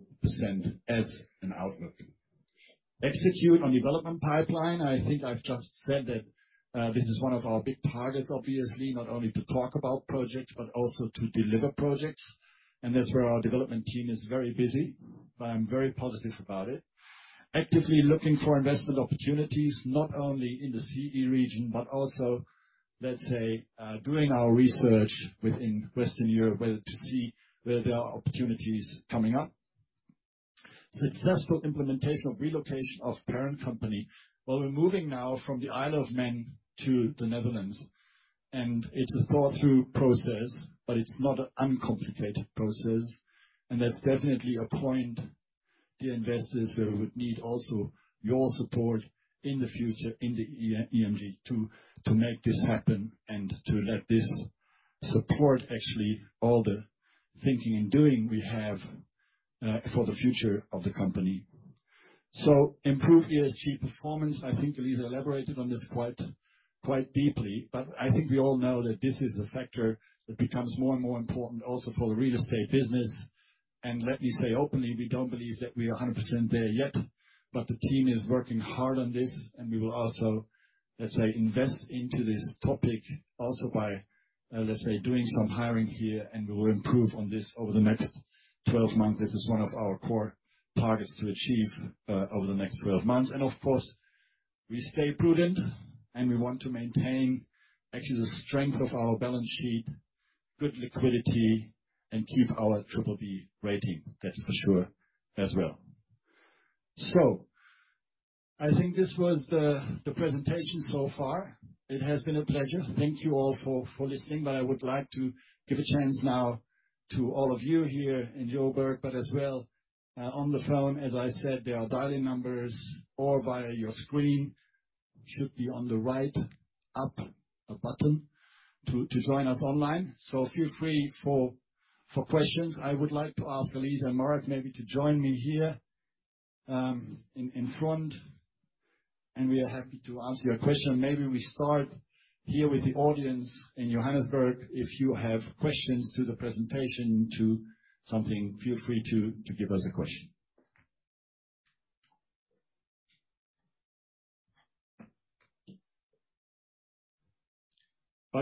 as an outlook. Execute on development pipeline. I think I've just said that, this is one of our big targets obviously, not only to talk about projects, but also to deliver projects. That's where our development team is very busy, but I'm very positive about it. Actively looking for investment opportunities, not only in the CEE region, but also, let's say, doing our research within Western Europe where to see where there are opportunities coming up. Successful implementation of relocation of parent company. We're moving now from the Isle of Man to the Netherlands, and it's a thought-through process, but it's not an uncomplicated process. That's definitely a point, the investors, where we would need also your support in the future in the EGM to make this happen and to let this support actually all the thinking and doing we have for the future of the company. Improve ESG performance. I think Eliza elaborated on this quite deeply, but I think we all know that this is a factor that becomes more and more important also for the real estate business. Let me say openly, we don't believe that we are 100% there yet. The team is working hard on this and we will also, let's say, invest into this topic also by, let's say, doing some hiring here, and we will improve on this over the next 12 months. This is one of our core targets to achieve over the next 12 months. Of course, we stay prudent, and we want to maintain actually the strength of our balance sheet, good liquidity, and keep our BBB rating. That's for sure as well. I think this was the presentation so far. It has been a pleasure. Thank you all for listening. I would like to give a chance now to all of you here in Johannesburg, but as well, on the phone, as I said, there are dial-in numbers or via your screen. Should be on the right, a button to join us online. So feel free for questions. I would like to ask Eliza and Marek maybe to join me here, in front, and we are happy to answer your question. Maybe we start here with the audience in Johannesburg. If you have questions to the presentation or something, feel free to give us a question.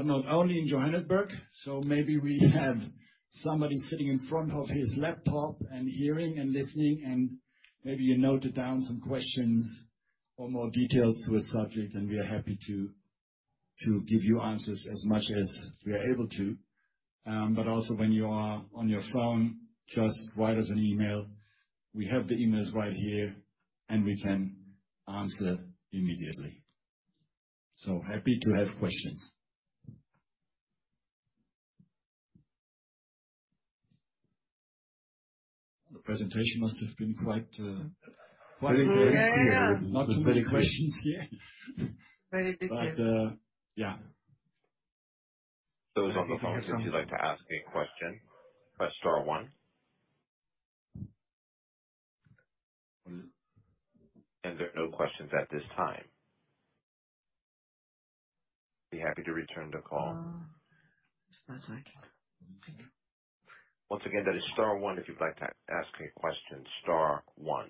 not only in Johannesburg, so maybe we have somebody sitting in front of his laptop and hearing and listening, and maybe you noted down some questions or more details to a subject, and we are happy to give you answers as much as we are able to. also when you are on your phone, just write us an email. We have the emails right here, and we can answer immediately. happy to have questions. The presentation must have been quite. Very, very clear. Not too many questions here. Yeah. Those on the phone, if you'd like to ask a question, press star one. And there are no questions at this time. Be happy to return the call. It's not working. Once again, that is star one if you'd like to ask a question, star one.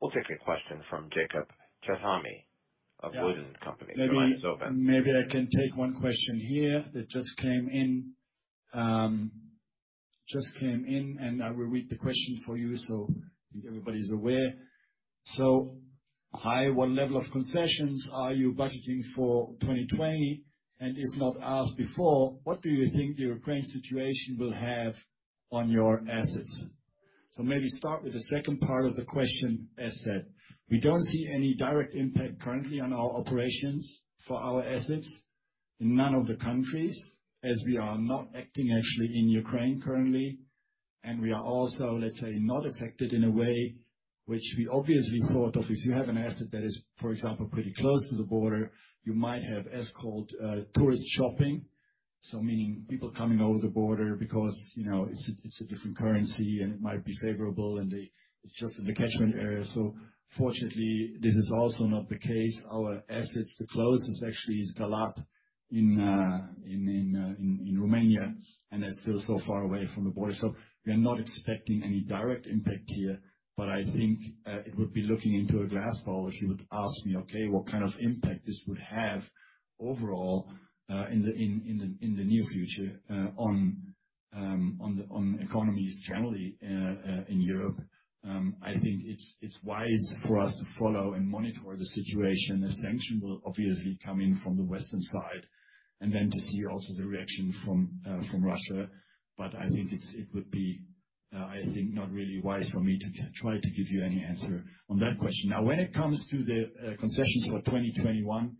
We'll take a question from Jakub Caithaml of Wood & Company. Your line is open. Maybe I can take one question here that just came in. Just came in, and I will read the question for you so I think everybody's aware. Hi, what level of concessions are you budgeting for 2020? And if not asked before, what do you think the Ukraine situation will have on your assets? Maybe start with the second part of the question, asset. We don't see any direct impact currently on our operations for our assets in none of the countries, as we are not operating actually in Ukraine currently. We are also, let's say, not affected in a way which we obviously thought of. If you have an asset that is, for example, pretty close to the border, you might have so-called tourist shopping. Meaning people coming over the border because, you know, it's a different currency, and it might be favorable, and it's just in the catchment area. Fortunately, this is also not the case. Our assets, the closest actually is Galați in Romania, and that's still so far away from the border. We are not expecting any direct impact here. But I think it would be looking into a crystal ball if you would ask me, okay, what kind of impact this would have overall in the near future on the economies generally in Europe. I think it's wise for us to follow and monitor the situation as sanction will obviously come in from the western side, and then to see also the reaction from Russia. I think it would be I think not really wise for me to try to give you any answer on that question. Now, when it comes to the concessions for 2021,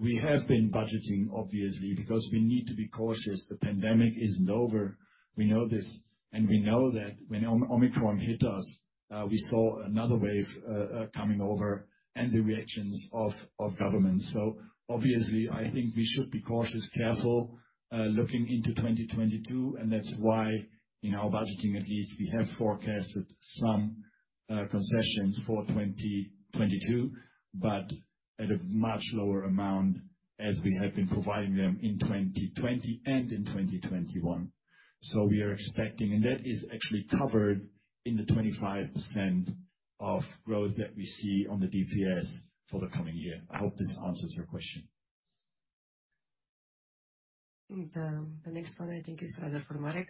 we have been budgeting obviously, because we need to be cautious. The pandemic isn't over. We know this, and we know that when Omicron hit us, we saw another wave coming over, and the reactions of governments. Obviously, I think we should be cautious, careful looking into 2022, and that's why in our budgeting at least we have forecasted some concessions for 2022, but at a much lower amount as we have been providing them in 2020 and in 2021. That is actually covered in the 25% of growth that we see on the DPS for the coming year. I hope this answers your question. The next one I think is rather for Marek.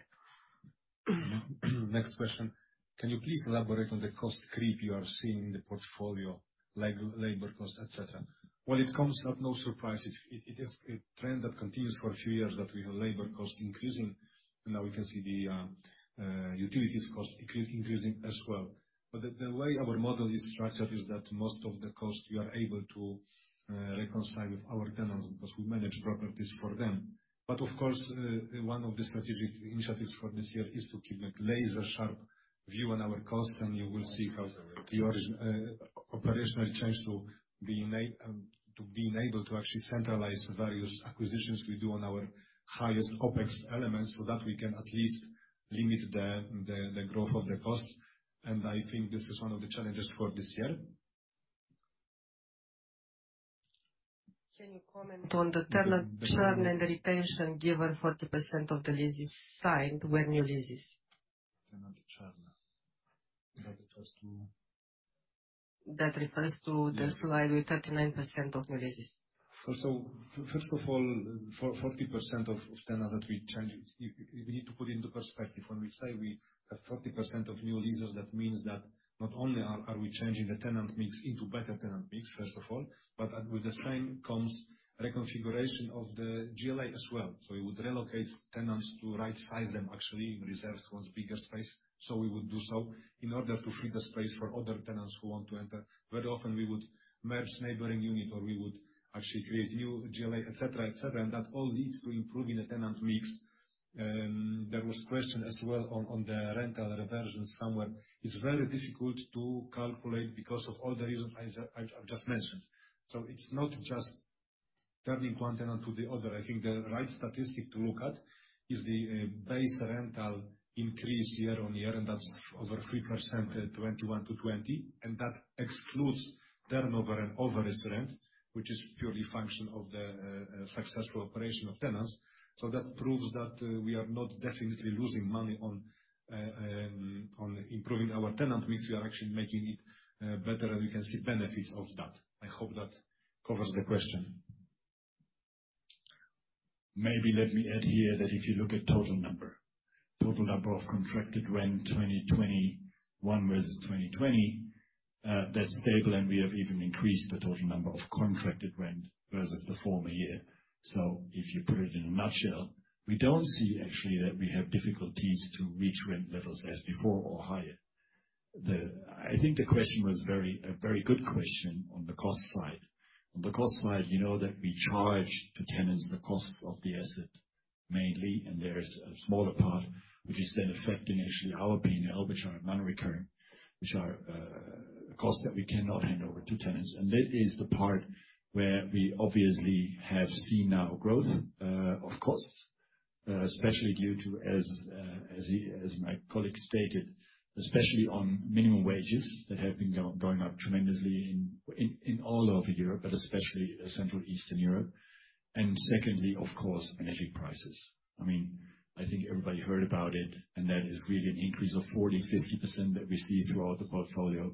Next question. Can you please elaborate on the cost creep you are seeing in the portfolio, labor cost, et cetera? Well, it comes as no surprise. It is a trend that continues for a few years that we have labor cost increasing. Now we can see the utilities cost increasing as well. The way our model is structured is that most of the costs we are able to reconcile with our tenants because we manage properties for them. Of course, one of the strategic initiatives for this year is to keep a laser sharp view on our costs, and you will see how the operational change to being able to actually centralize various acquisitions we do on our highest OpEx elements so that we can at least limit the growth of the cost. I think this is one of the challenges for this year. Can you comment on the tenant churn and retention given 40% of the leases signed were new leases? Tenant churn. That refers to? That refers to the slide with 39% of new leases. First of all, for 40% of tenants that we change, you need to put into perspective. When we say we have 40% of new leases, that means that not only are we changing the tenant mix into better tenant mix, first of all, but with the same comes reconfiguration of the GLA as well. We would relocate tenants to rightsize them, actually. A tenant wants bigger space, so we would do so in order to free the space for other tenants who want to enter. Very often, we would merge neighboring unit, or we would actually create new GLA, et cetera, et cetera. That all leads to improving the tenant mix. There was question as well on the rental reversion somewhere. It's very difficult to calculate because of all the reasons I've just mentioned. It's not just turning one tenant to the other. I think the right statistic to look at is the base rental increase year-on-year, and that's over 3%, 2021 to 2020, and that excludes turnover and overage rent, which is purely a function of the successful operation of tenants. That proves that we are not definitely losing money on improving our tenant mix. We are actually making it better, and we can see benefits of that. I hope that covers the question. Maybe let me add here that if you look at total number. Total number of contracted rent, 2021 versus 2020, that's stable, and we have even increased the total number of contracted rent versus the former year. So if you put it in a nutshell, we don't see actually that we have difficulties to reach rent levels as before or higher. I think the question was a very good question on the cost side. On the cost side, you know that we charge the tenants the costs of the asset mainly, and there is a smaller part which is then affecting actually our P&L, which are non-recurring, which are costs that we cannot hand over to tenants. That is the part where we obviously have seen now growth of costs, especially due to, as my colleague stated, especially on minimum wages that have been going up tremendously in all over Europe, but especially Central and Eastern Europe. Secondly, of course energy prices. I mean, I think everybody heard about it, and that is really an increase of 40%-50% that we see throughout the portfolio.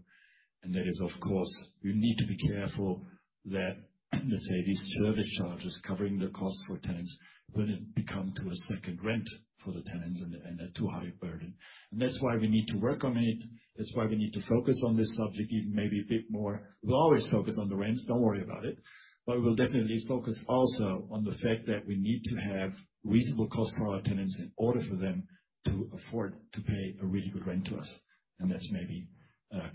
That is of course, we need to be careful that, let's say, these service charges covering the cost for tenants wouldn't become a second rent for the tenants and a too high burden. That's why we need to work on it. That's why we need to focus on this subject even maybe a bit more. We'll always focus on the rents, don't worry about it. We will definitely focus also on the fact that we need to have reasonable cost per our tenants in order for them to afford to pay a really good rent to us. That's maybe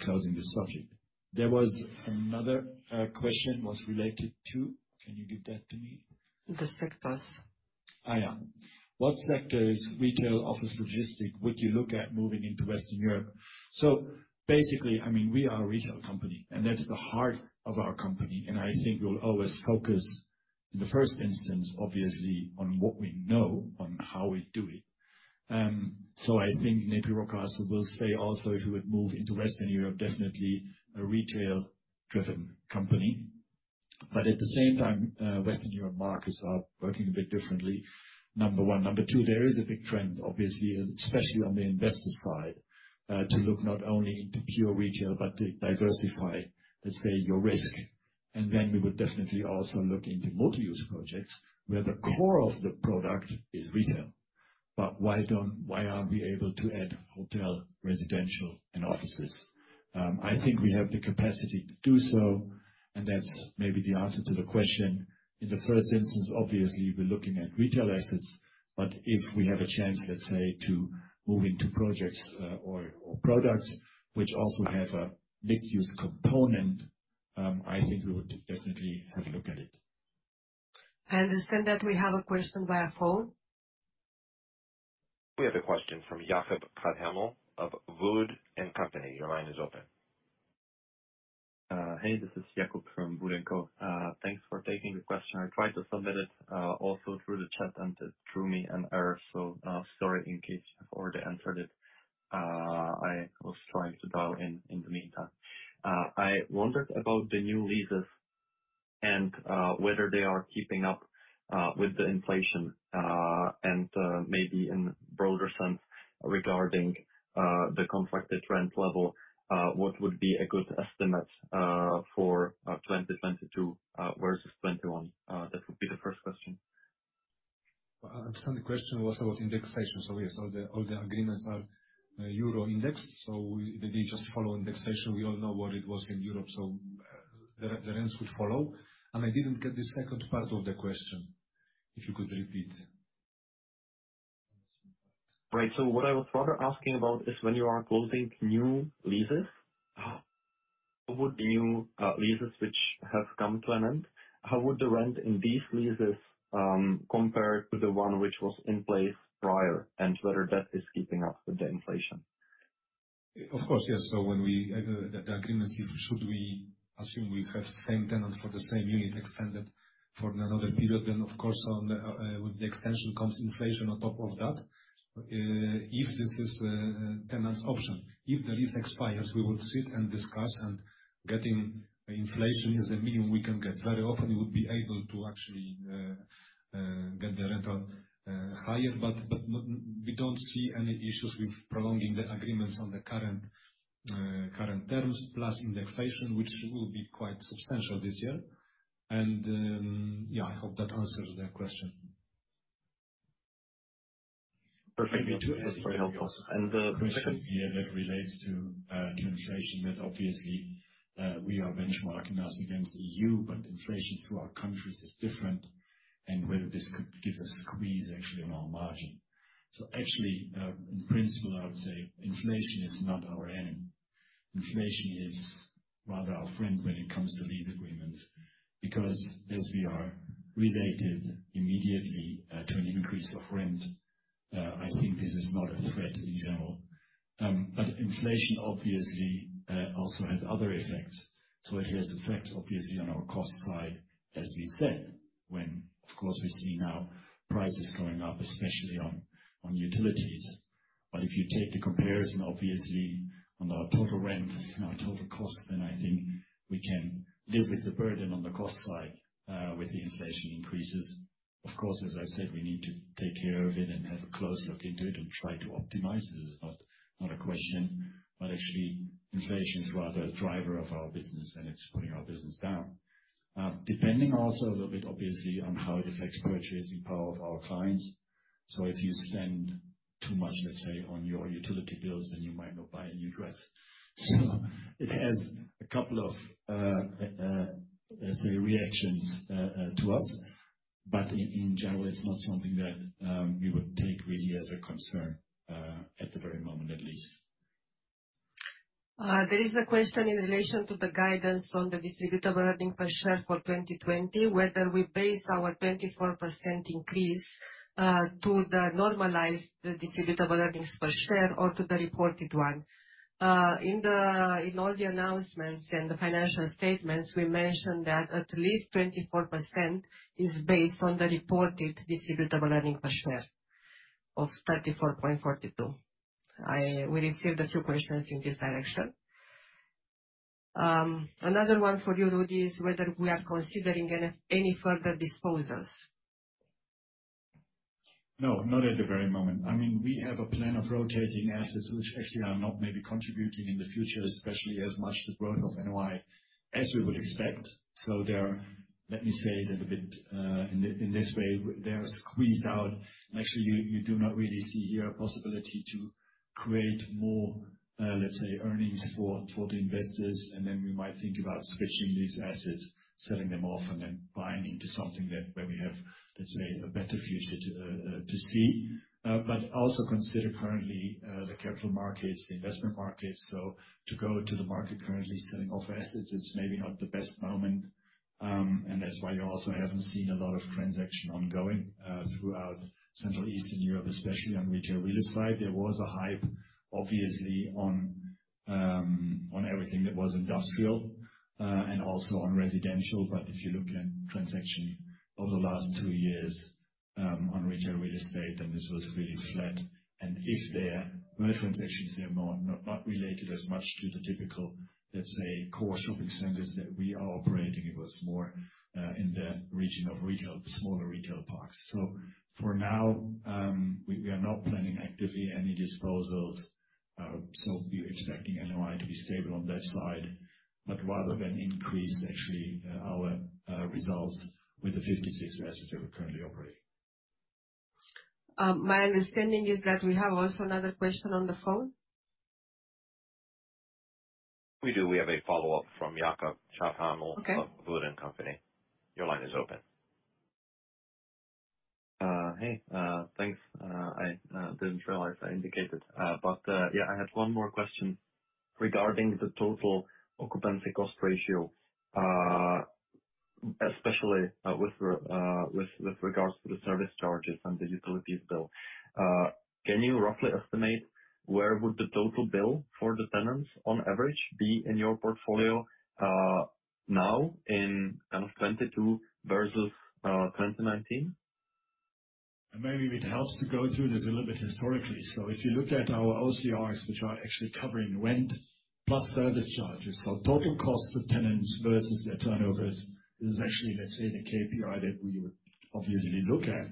closing this subject. There was another question was related to. Can you give that to me? The sectors. What sectors, retail, office, logistics, would you look at moving into Western Europe? Basically, I mean, we are a retail company, and that's the heart of our company, and I think we'll always focus, in the first instance, obviously, on what we know, on how we do it. I think NEPI Rockcastle would say also if you would move into Western Europe, definitely a retail driven company. At the same time, Western Europe markets are working a bit differently, number one. Number two, there is a big trend, obviously, especially on the investor side, to look not only into pure retail, but to diversify, let's say, your risk. Then we would definitely also look into mixed-use projects, where the core of the product is retail. Why don't, why aren't we able to add hotel, residential and offices? I think we have the capacity to do so, and that's maybe the answer to the question. In the first instance, obviously, we're looking at retail assets, but if we have a chance, let's say, to move into projects, or products which also have a mixed-use component, I think we would definitely have a look at it. I understand that we have a question via phone. We have a question from Jakub Caithaml of Wood & Company. Your line is open. Hey, this is Jakob from Wood & Company. Thanks for taking the question. I tried to submit it also through the chat, and it threw me an error, so sorry in case you've already answered it. I was trying to dial in in the meantime. I wondered about the new leases and whether they are keeping up with the inflation, and maybe in broader sense regarding the contracted rent level, what would be a good estimate for 2022 versus 2021? That would be the first question. I understand the question was about indexation. Yes, all the agreements are euro indexed. They just follow indexation. We all know what it was in Europe, so the rents will follow. I didn't get the second part of the question. If you could repeat. Right. What I was rather asking about is when you are closing new leases, how would new leases which have come to an end, how would the rent in these leases compare to the one which was in place prior, and whether that is keeping up with the inflation? Of course, yes. The agreement, if we should assume we have the same tenant for the same unit extended for another period, then of course with the extension comes inflation on top of that. If this is the tenant's option. If the lease expires, we will sit and discuss, and getting inflation is the minimum we can get. Very often, we would be able to actually get the rental higher. But we don't see any issues with prolonging the agreements on the current terms, plus indexation, which will be quite substantial this year. Yeah, I hope that answers the question. Perfect. That's very helpful. The second- Yeah, that relates to inflation, that obviously we are benchmarking us against EU, but inflation through our countries is different and whether this could give us a squeeze actually on our margin. Actually, in principle, I would say inflation is not our enemy. Inflation is rather our friend when it comes to lease agreements. Because as we are related immediately to an increase of rent, I think this is not a threat in general. Inflation obviously also has other effects. It has effects obviously on our cost side, as we said, when of course we see now prices going up, especially on utilities. If you take the comparison, obviously, on our total rent and our total cost, then I think we can live with the burden on the cost side with the inflation increases. Of course, as I said, we need to take care of it and have a close look into it and try to optimize it. This is not a question. Actually, inflation is rather a driver of our business, and it's putting our business down, depending also a little bit, obviously, on how it affects purchasing power of our clients. If you spend too much, let's say, on your utility bills, then you might not buy a new dress. It has a couple of, let's say, reactions to us. In general, it's not something that we would take really as a concern at the very moment, at least. There is a question in relation to the guidance on the distributable earnings per share for 2020, whether we base our 24% increase to the normalized distributable earnings per share or to the reported one. In all the announcements and the financial statements, we mentioned that at least 24% is based on the reported distributable earnings per share of 34.42. We received a few questions in this direction. Another one for you Rüdis, is whether we are considering any further disposals. No, not at the very moment. I mean, we have a plan of rotating assets which actually are not maybe contributing in the future, especially as much the growth of NOI, as we would expect. They're, let me say it a little bit, in this way, they are squeezed out. Actually, you do not really see here a possibility to create more, let's say earnings for the investors, and then we might think about switching these assets, selling them off, and then buying into something that, where we have, let's say, a better usage, to see. Also consider currently, the capital markets, the investment markets. To go to the market currently selling off assets is maybe not the best moment, and that's why you also haven't seen a lot of transactions ongoing throughout Central and Eastern Europe, especially on retail real estate. There was a hype, obviously, on everything that was industrial and also on residential. If you look at transactions over the last two years on retail real estate, and this was really flat, and if there were transactions there more, not related as much to the typical, let's say, core shopping centers that we are operating, it was more in the region of retail, smaller retail parks. For now, we are not planning actively any disposals. We're expecting NOI to be stable on that side, but rather an increase actually, our results with the 56 assets that we're currently operating. My understanding is that we have also another question on the phone. We do. We have a follow-up from Jakub Caithaml. Okay. Of Wood & Company. Your line is open. Hey thanks. I didn't realize I indicated, but yeah, I had one more question regarding the total occupancy cost ratio, especially with regards to the service charges and the utilities bill. Can you roughly estimate where would the total bill for the tenants on average be in your portfolio now in 2022 versus 2019? Maybe it helps to go through this a little bit historically. If you look at our OCRs, which are actually covering rent plus service charges, so total cost of tenants versus their turnovers, this is actually, let's say, the KPI that we would obviously look at.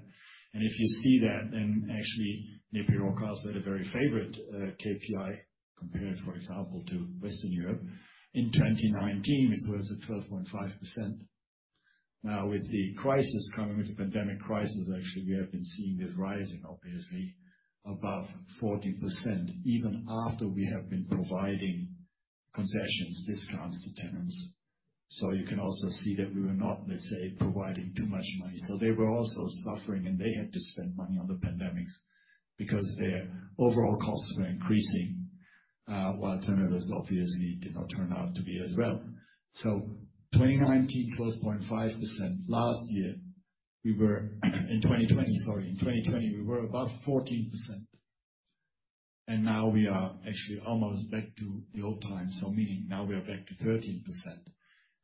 If you see that, then actually, NEPI Rockcastle had a very favorable KPI compared, for example, to Western Europe. In 2019, it was at 12.5%. Now, with the crisis coming, with the pandemic crisis, actually, we have been seeing this rising obviously above 14%, even after we have been providing concessions, discounts to tenants. You can also see that we were not, let's say, providing too much money. They were also suffering, and they had to spend money on the pandemic because their overall costs were increasing while turnovers obviously did not turn out to be as well. In 2019, 12.5%. In 2020, we were above 14%, and now we are actually almost back to the old times. Meaning now we are back to 13%,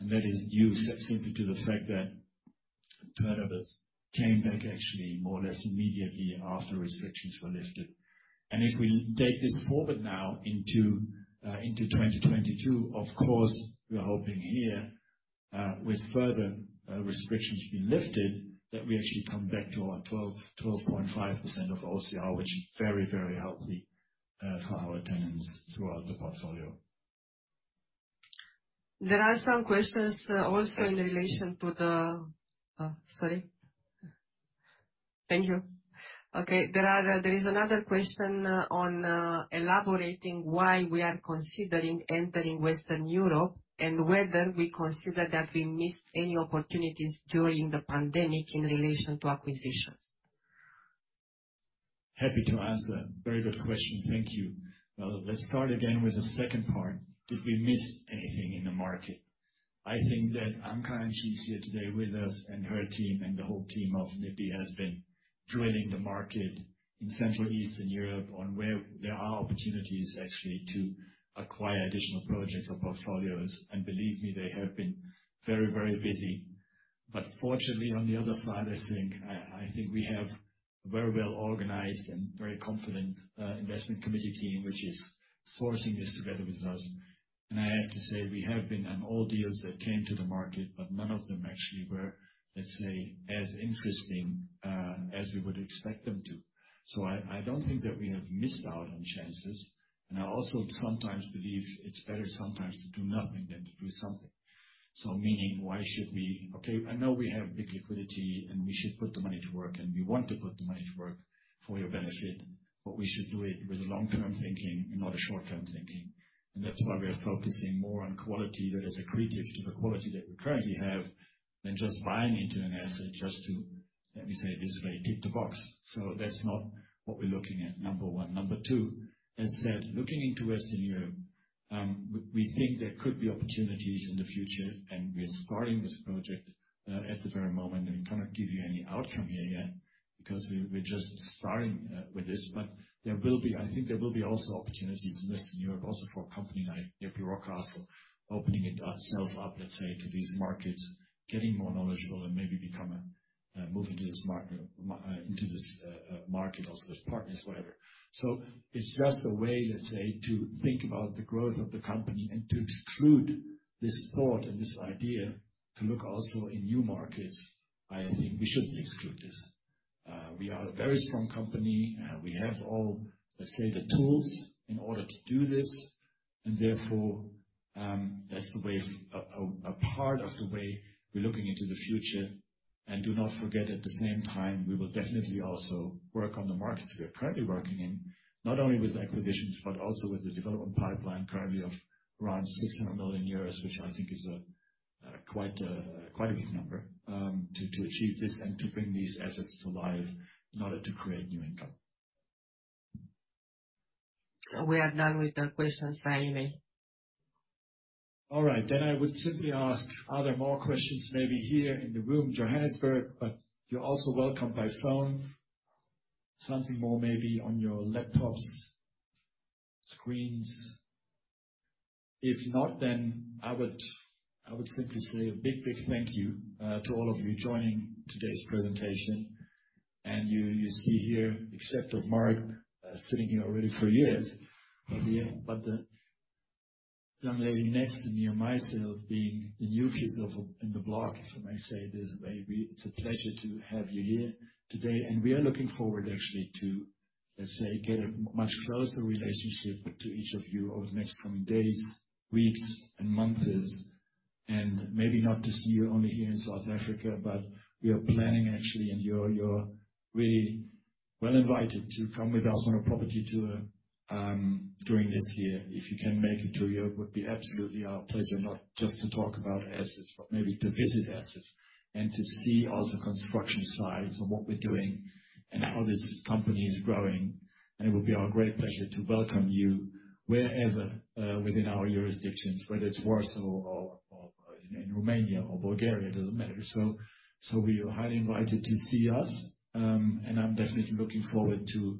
and that is due simply to the fact that turnovers came back actually more or less immediately after restrictions were lifted. If we take this forward now into 2022, of course, we are hoping here with further restrictions being lifted, that we actually come back to our 12-12.5% OCR, which is very, very healthy for our tenants throughout the portfolio. There is another question on elaborating why we are considering entering Western Europe and whether we consider that we missed any opportunities during the pandemic in relation to acquisitions. Happy to answer. Very good question. Thank you. Let's start again with the second part. Did we miss anything in the market? I think that Anka, and she's here today with us, and her team, and the whole team of NEPI has been drilling the market in Central and Eastern Europe on where there are opportunities actually to acquire additional projects or portfolios. Believe me, they have been very, very busy. Fortunately, on the other side I think we have a very well-organized and very confident investment committee team, which is sourcing this together with us. I have to say, we have been on all deals that came to the market, but none of them actually were, let's say, as interesting as we would expect them to. I don't think that we have missed out on chances, and I also sometimes believe it's better sometimes to do nothing than to do something. Meaning, why should we? Okay, I know we have big liquidity, and we should put the money to work, and we want to put the money to work for your benefit, but we should do it with long-term thinking and not a short-term thinking. That's why we are focusing more on quality that is accretive to the quality that we currently have than just buying into an asset just to, let me say it this way, tick the box. That's not what we're looking at, number one. Number two is that looking into Western Europe, we think there could be opportunities in the future, and we are starting this project at the very moment, and we cannot give you any outcome here yet because we're just starting with this. There will be. I think there will be also opportunities in Western Europe also for a company like NEPI Rockcastle, opening itself up, let's say, to these markets, getting more knowledgeable and maybe become a move into this market also as partners, whatever. So it's just a way, let's say, to think about the growth of the company and not to exclude this thought and this idea to look also in new markets. I think we shouldn't exclude this. We are a very strong company. We have all, let's say, the tools in order to do this. Therefore, that's the way, a part of the way we're looking into the future. Do not forget, at the same time, we will definitely also work on the markets we are currently working in, not only with acquisitions, but also with the development pipeline currently of around 600 million euros, which I think is quite a big number to achieve this and to bring these assets to life in order to create new income. We are done with the questions, Jaime. All right. I would simply ask, are there more questions maybe here in the room, Johannesburg, but you're also welcome by phone. Something more maybe on your laptops, screens. If not, I would simply say a big, big thank you to all of you joining today's presentation. You see here, except of Mark sitting here already for years. The young lady next to me and myself being the new kids over in the block. I may say this, maybe it's a pleasure to have you here today, and we are looking forward actually to, let's say, get a much closer relationship to each of you over the next coming days, weeks and months. Maybe not just you only here in South Africa, but we are planning actually, and you're really well invited to come with us on a property tour during this year. If you can make it to Europe, would be absolutely our pleasure, not just to talk about assets, but maybe to visit assets and to see also construction sites and what we're doing and how this company is growing. It will be our great pleasure to welcome you wherever within our jurisdictions, whether it's Warsaw or you know, in Romania or Bulgaria, it doesn't matter. So we are highly invited to see us. I'm definitely looking forward to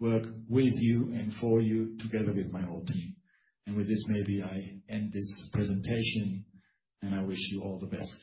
work with you and for you together with my whole team. With this maybe I end this presentation, and I wish you all the best.